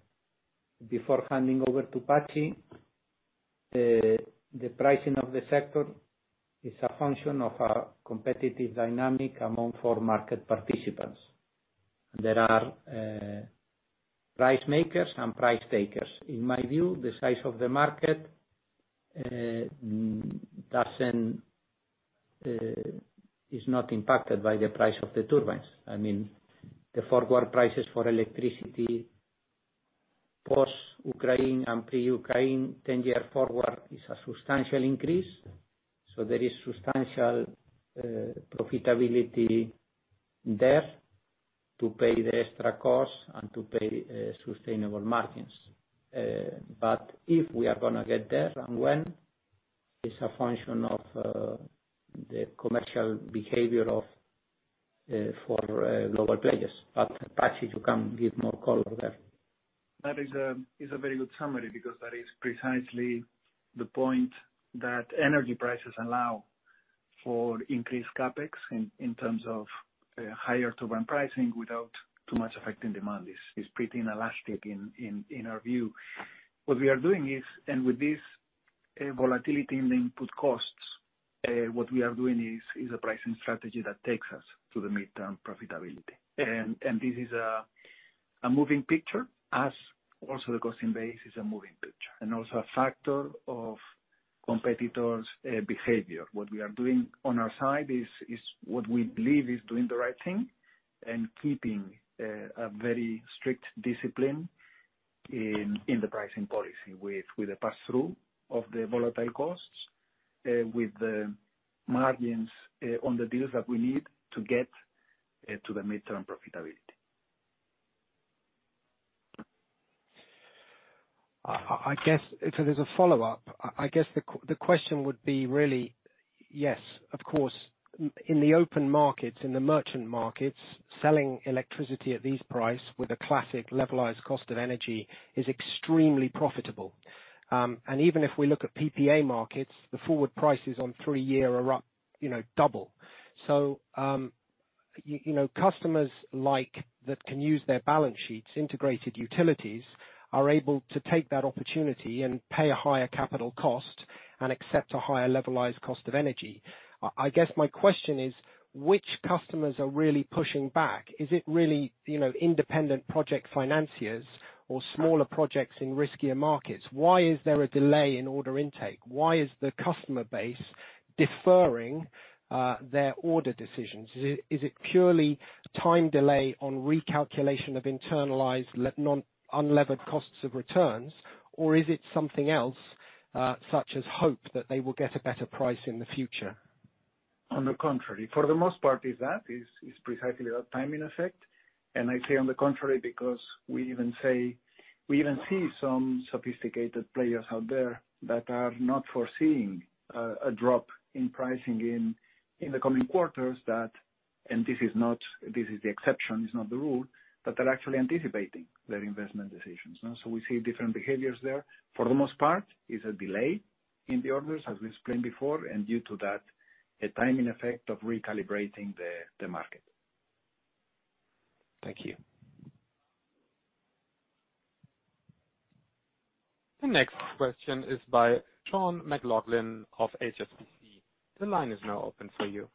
Speaker 3: before handing over to Patxi, the pricing of the sector is a function of a competitive dynamic among four market participants. There are price makers and price takers. In my view, the size of the market is not impacted by the price of the turbines. I mean, the forward prices for electricity post-Ukraine and pre-Ukraine, ten-year forward is a substantial increase, so there is substantial profitability there to pay the extra cost and to pay sustainable margins. If we are gonna get there and when, is a function of the commercial behavior of the four global players. Patxi, you can give more color there.
Speaker 4: That is a very good summary because that is precisely the point that energy prices allow for increased CapEx in terms of higher turbine pricing without too much affecting demand. It's pretty inelastic in our view. With this volatility in input costs, what we are doing is a pricing strategy that takes us to the midterm profitability. This is a moving picture as also the costing base is a moving picture, and also a factor of competitors' behavior. What we are doing on our side is what we believe is doing the right thing and keeping a very strict discipline in the pricing policy with a pass-through of the volatile costs, with the margins, on the deals that we need to get, to the midterm profitability.
Speaker 9: I guess if there's a follow-up, I guess the question would be really, yes, of course, in the open markets, in the merchant markets, selling electricity at this price with a classic levelized cost of energy is extremely profitable. Even if we look at PPA markets, the forward prices on three year are up, you know, double. You know, customers like that can use their balance sheets, integrated utilities are able to take that opportunity and pay a higher capital cost and accept a higher levelized cost of energy. I guess my question is, which customers are really pushing back? Is it really, you know, independent project financiers or smaller projects in riskier markets? Why is there a delay in order intake? Why is the customer base deferring their order decisions? Is it purely time delay on recalculation of internalized unlevered costs of returns? Or is it something else, such as hope that they will get a better price in the future?
Speaker 4: On the contrary. For the most part, that is precisely that timing effect. I say on the contrary, because we even see some sophisticated players out there that are not foreseeing a drop in pricing in the coming quarters. This is not the exception, it's not the rule, but they're actually anticipating their investment decisions. We see different behaviors there. For the most part, it's a delay in the orders as we explained before, and due to that, a timing effect of recalibrating the market.
Speaker 9: Thank you.
Speaker 1: The next question is by Sean McLoughlin of HSBC. The line is now open for you.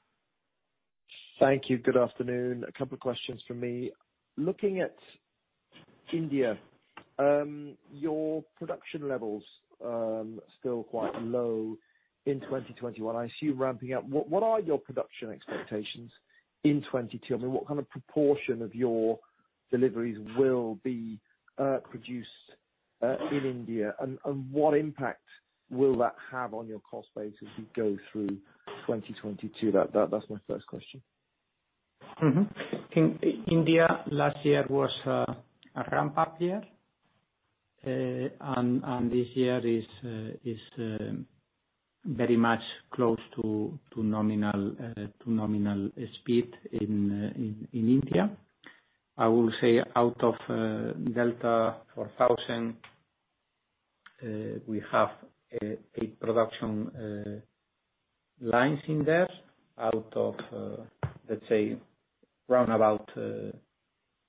Speaker 10: Thank you. Good afternoon. A couple questions from me. Looking at India, your production levels still quite low in 2021, I assume ramping up. What are your production expectations in 2022? I mean, what kind of proportion of your deliveries will be produced in India? What impact will that have on your cost base as you go through 2022? That's my first question.
Speaker 3: In India last year was a ramp-up year. This year is very much close to nominal speed in India. I will say out of Delta4000 we have 8 production lines in there out of let's say round about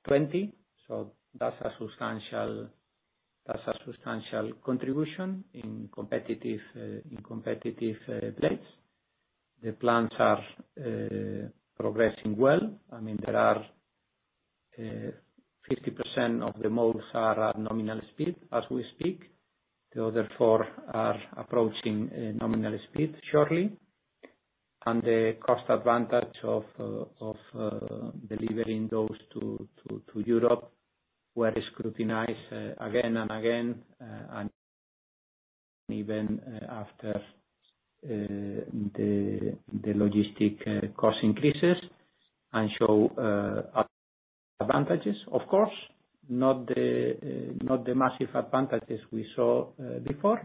Speaker 3: 20. That's a substantial contribution in competitive plants. The plants are progressing well. I mean, there are 50% of the molds at nominal speed as we speak. The other 4 are approaching nominal speed shortly. The cost advantage of delivering those to Europe, which is scrutinized again and again, and even after the logistics cost increases, shows advantages, of course. Not the massive advantages we saw before,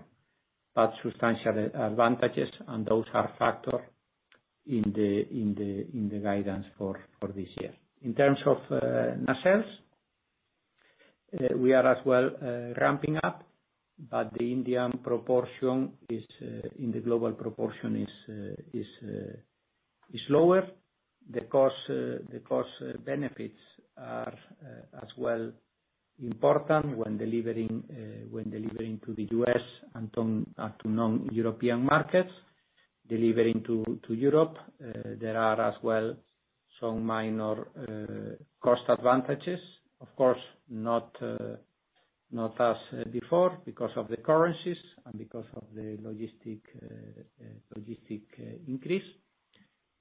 Speaker 3: but substantial advantages, and those are factored in the guidance for this year. In terms of nacelles, we are as well ramping up, but the Indian proportion in the global proportion is lower. The cost benefits are as well important when delivering to the U.S. and to non-European markets. Delivering to Europe, there are as well some minor cost advantages. Of course not as before because of the currencies and because of the logistics increase.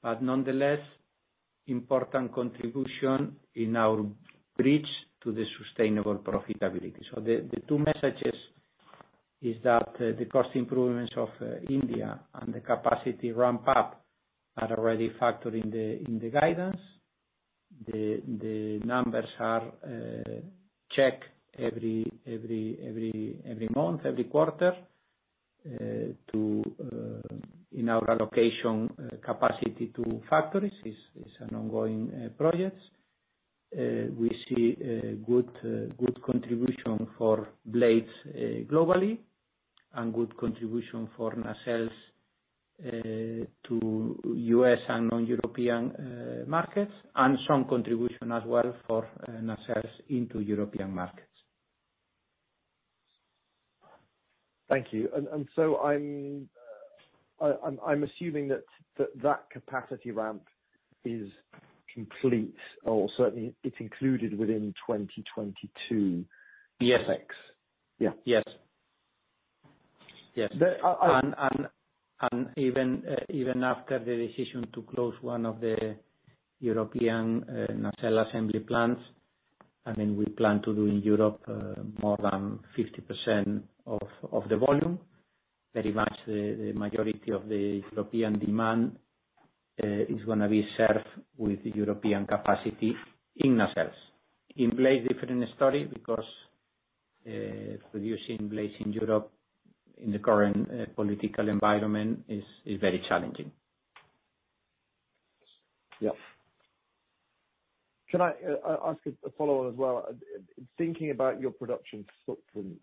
Speaker 3: Nonetheless, important contribution in our bridge to the sustainable profitability. The two messages are that the cost improvements of India and the capacity ramp up are already factored in the guidance. The numbers are checked every month, every quarter, in our allocation of capacity to factories. This is an ongoing project. We see a good contribution for blades globally, and good contribution for nacelles to U.S. and non-European markets, and some contribution as well for nacelles into European markets.
Speaker 10: Thank you. I'm assuming that capacity ramp is complete or certainly it's included within 2022.
Speaker 3: Yes.
Speaker 10: Yeah.
Speaker 3: Yes. Yes.
Speaker 10: The, uh-
Speaker 3: Even after the decision to close one of the European nacelle assembly plants, I mean, we plan to do in Europe more than 50% of the volume. Very much the majority of the European demand is gonna be served with European capacity in nacelles. In blades, different story because producing blades in Europe in the current political environment is very challenging.
Speaker 10: Yeah. Can I ask a follow-up as well? Thinking about your production footprint,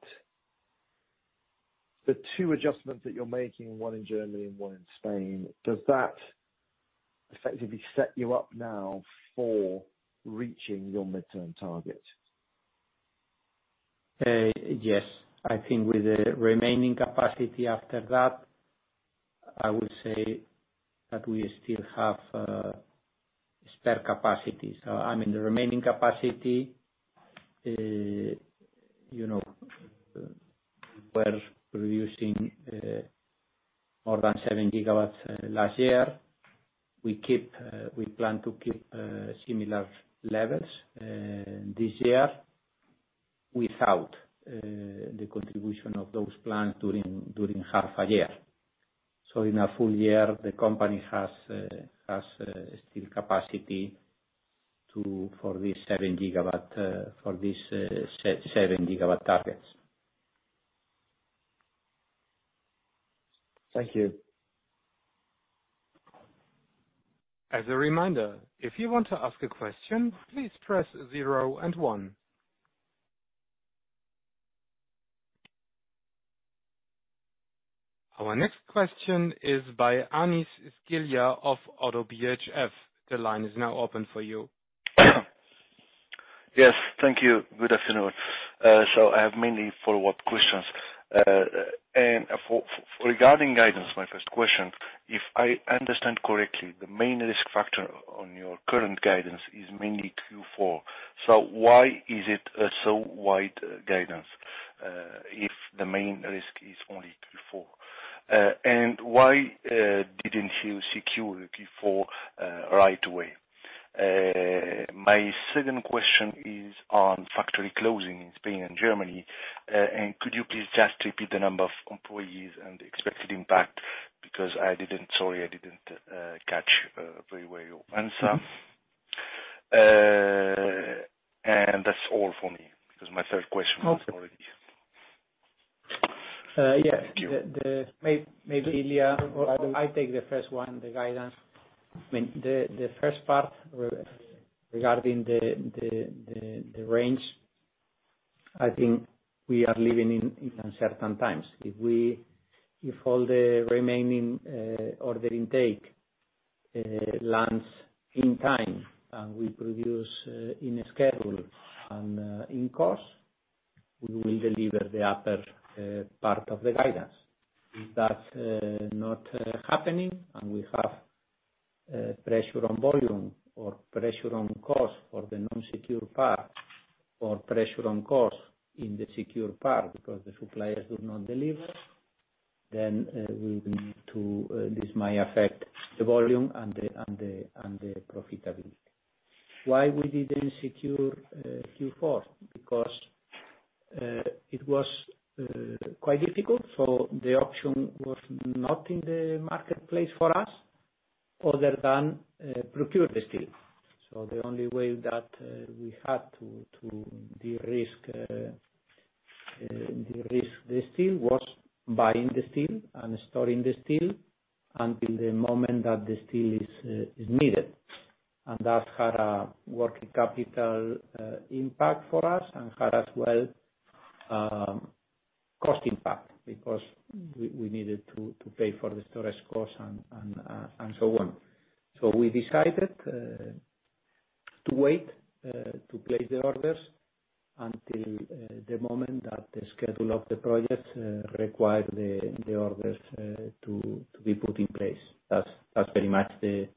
Speaker 10: the two adjustments that you're making, one in Germany and one in Spain, does that effectively set you up now for reaching your midterm target?
Speaker 3: Yes. I think with the remaining capacity after that, I would say that we still have spare capacity. I mean, the remaining capacity, you know, we're producing more than 7 GW last year. We plan to keep similar levels this year without the contribution of those plants during half a year. In a full year, the company has still capacity for this 7 GW targets.
Speaker 10: Thank you.
Speaker 1: As a reminder, if you want to ask a question, please press zero and one. Our next question is by Anis Zgaya of ODDO BHF. The line is now open for you.
Speaker 11: Yes. Thank you. Good afternoon. I have mainly follow-up questions. Regarding guidance, my first question, if I understand correctly, the main risk factor on your current guidance is mainly Q4. Why is it a so wide guidance, if the main risk is only Q4? Why didn't you secure Q4 right away? My second question is on factory closing in Spain and Germany. Could you please just repeat the number of employees and the expected impact, because sorry, I didn't catch very well your answer. That's all for me, because my third question was already-
Speaker 3: Yeah.
Speaker 11: Thank you.
Speaker 3: Maybe, Ilya, I'll take the first one, the guidance. I mean, the first part regarding the range, I think we are living in uncertain times. If we, if all the remaining order intake lands in time and we produce in schedule and in cost, we will deliver the upper part of the guidance. If that's not happening and we have pressure on volume or pressure on cost for the non-secure part, or pressure on cost in the secure part because the suppliers do not deliver, then this might affect the volume and the profitability. Why we didn't secure Q4? Because it was quite difficult, so the option was not in the marketplace for us other than procure the steel. The only way that we had to de-risk the steel was buying the steel and storing the steel until the moment that the steel is needed. That had a working capital impact for us and had as well cost impact because we needed to pay for the storage costs and so on. We decided to wait to place the orders until the moment that the schedule of the projects require the orders to be put in place. That's very much the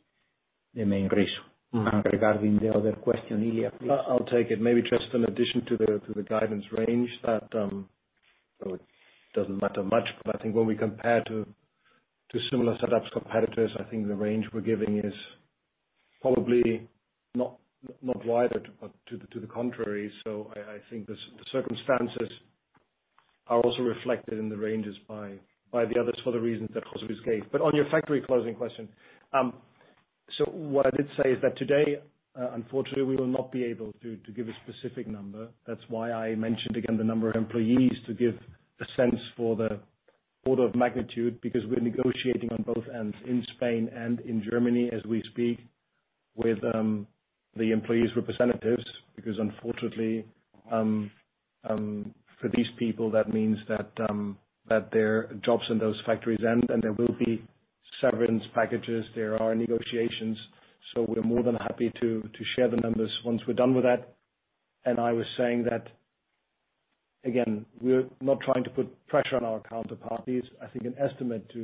Speaker 3: main reason.
Speaker 11: Mm-hmm.
Speaker 3: Regarding the other question, Ilya, please.
Speaker 5: I'll take it. Maybe just an addition to the guidance range that, so it doesn't matter much, but I think when we compare to similar setups of competitors, I think the range we're giving is probably not wider, but to the contrary. I think the circumstances are also reflected in the ranges by the others for the reasons that José Luis gave. On your factory closing question, so what I did say is that today, unfortunately we will not be able to give a specific number. That's why I mentioned again the number of employees, to give a sense for the order of magnitude because we're negotiating on both ends, in Spain and in Germany as we speak, with the employees' representatives. Because unfortunately, for these people, that means that their jobs in those factories end and there will be severance packages. There are negotiations. We're more than happy to share the numbers once we're done with that. I was saying that, again, we're not trying to put pressure on our counterparties. I think an estimate to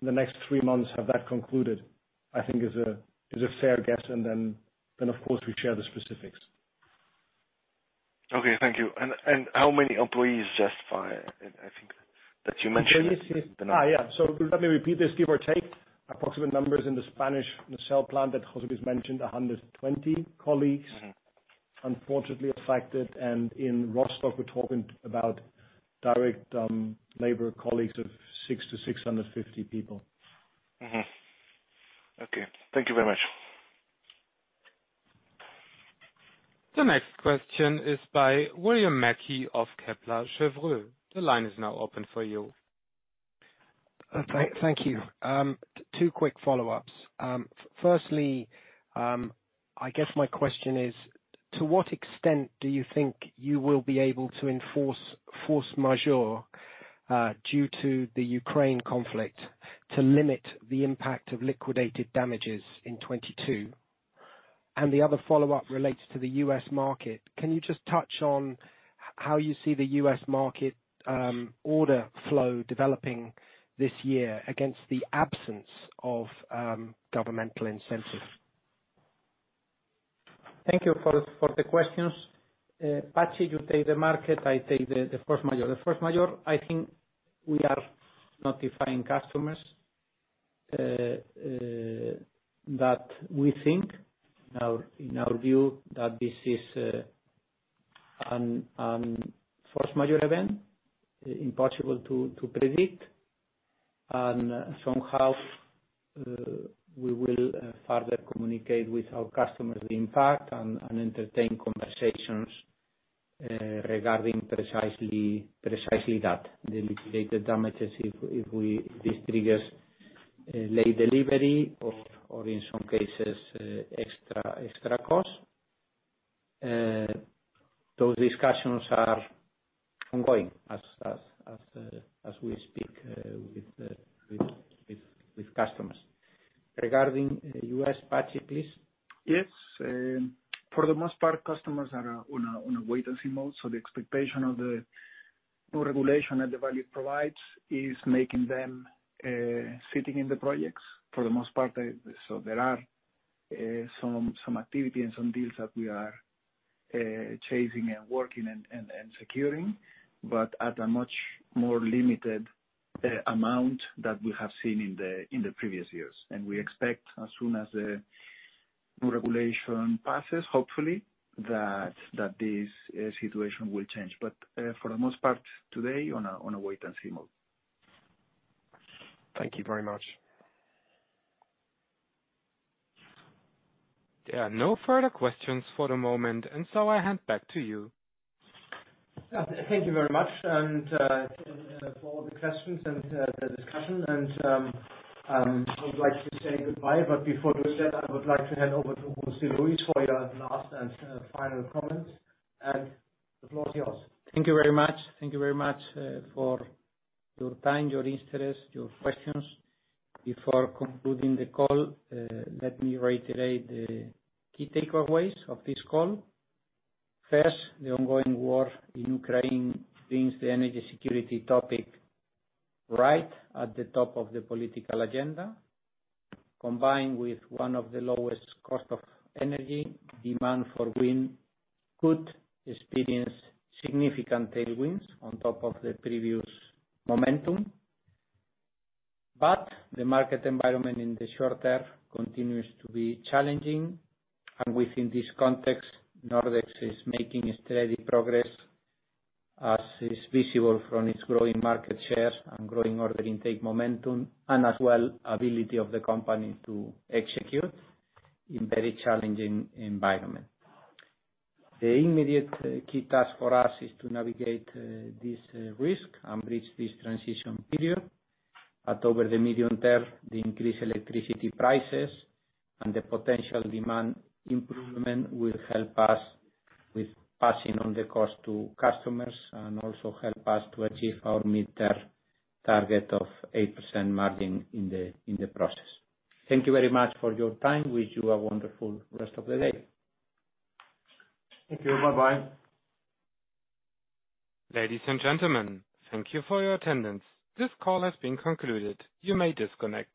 Speaker 5: in the next three months have that concluded. I think is a fair guess. Then of course, we share the specifics.
Speaker 11: Okay. Thank you. How many employees did you just fire? I think that you mentioned the number.
Speaker 5: Let me repeat this, give or take approximate numbers in the Spanish Nacelle plant that José Luis mentioned, 120 colleagues-
Speaker 11: Mm-hmm.
Speaker 5: Unfortunately affected. In Rostock, we're talking about direct labor colleagues of 600-650 people.
Speaker 11: Okay. Thank you very much.
Speaker 1: The next question is by William Mackie of Kepler Cheuvreux. The line is now open for you.
Speaker 9: Thank you. Two quick follow-ups. Firstly, I guess my question is, to what extent do you think you will be able to enforce force majeure due to the Ukraine conflict to limit the impact of liquidated damages in 2022? The other follow-up relates to the U.S. market. Can you just touch on how you see the U.S. market order flow developing this year against the absence of governmental incentives?
Speaker 3: Thank you for the questions. Patxi, you take the market, I take the force majeure. The force majeure, I think we are notifying customers that we think in our view that this is force majeure event, impossible to predict. Somehow we will further communicate with our customers the impact and entertain conversations regarding precisely that. The liquidated damages if this triggers late delivery or in some cases extra cost. Those discussions are ongoing as we speak with customers. Regarding U.S., Patxi, please.
Speaker 4: Yes. For the most part, customers are on a wait and see mode. The expectation of the new regulation that the value provides is making them sitting in the projects for the most part. There are some activity and some deals that we are chasing and working and securing, but at a much more limited amount that we have seen in the previous years. We expect as soon as the new regulation passes, hopefully, that this situation will change. For the most part today, on a wait and see mode.
Speaker 9: Thank you very much.
Speaker 1: There are no further questions for the moment, and so I hand back to you.
Speaker 5: Yeah. Thank you very much and for all the questions and the discussion. I would like to say goodbye, but before do that, I would like to hand over to José Luis Blanco for your last and final comments. The floor is yours.
Speaker 3: Thank you very much. Thank you very much for your time, your interest, your questions. Before concluding the call, let me reiterate the key takeaways of this call. First, the ongoing war in Ukraine brings the energy security topic right at the top of the political agenda. Combined with one of the lowest cost of energy, demand for wind could experience significant tailwinds on top of the previous momentum. The market environment in the short term continues to be challenging, and within this context, Nordex is making a steady progress, as is visible from its growing market shares and growing order intake momentum, and as well, ability of the company to execute in very challenging environment. The immediate key task for us is to navigate this risk and bridge this transition period. Over the medium term, the increased electricity prices and the potential demand improvement will help us with passing on the cost to customers and also help us to achieve our mid-term target of 8% margin in the process. Thank you very much for your time. Wish you a wonderful rest of the day.
Speaker 5: Thank you. Bye-bye.
Speaker 1: Ladies and gentlemen, thank you for your attendance. This call has been concluded. You may disconnect.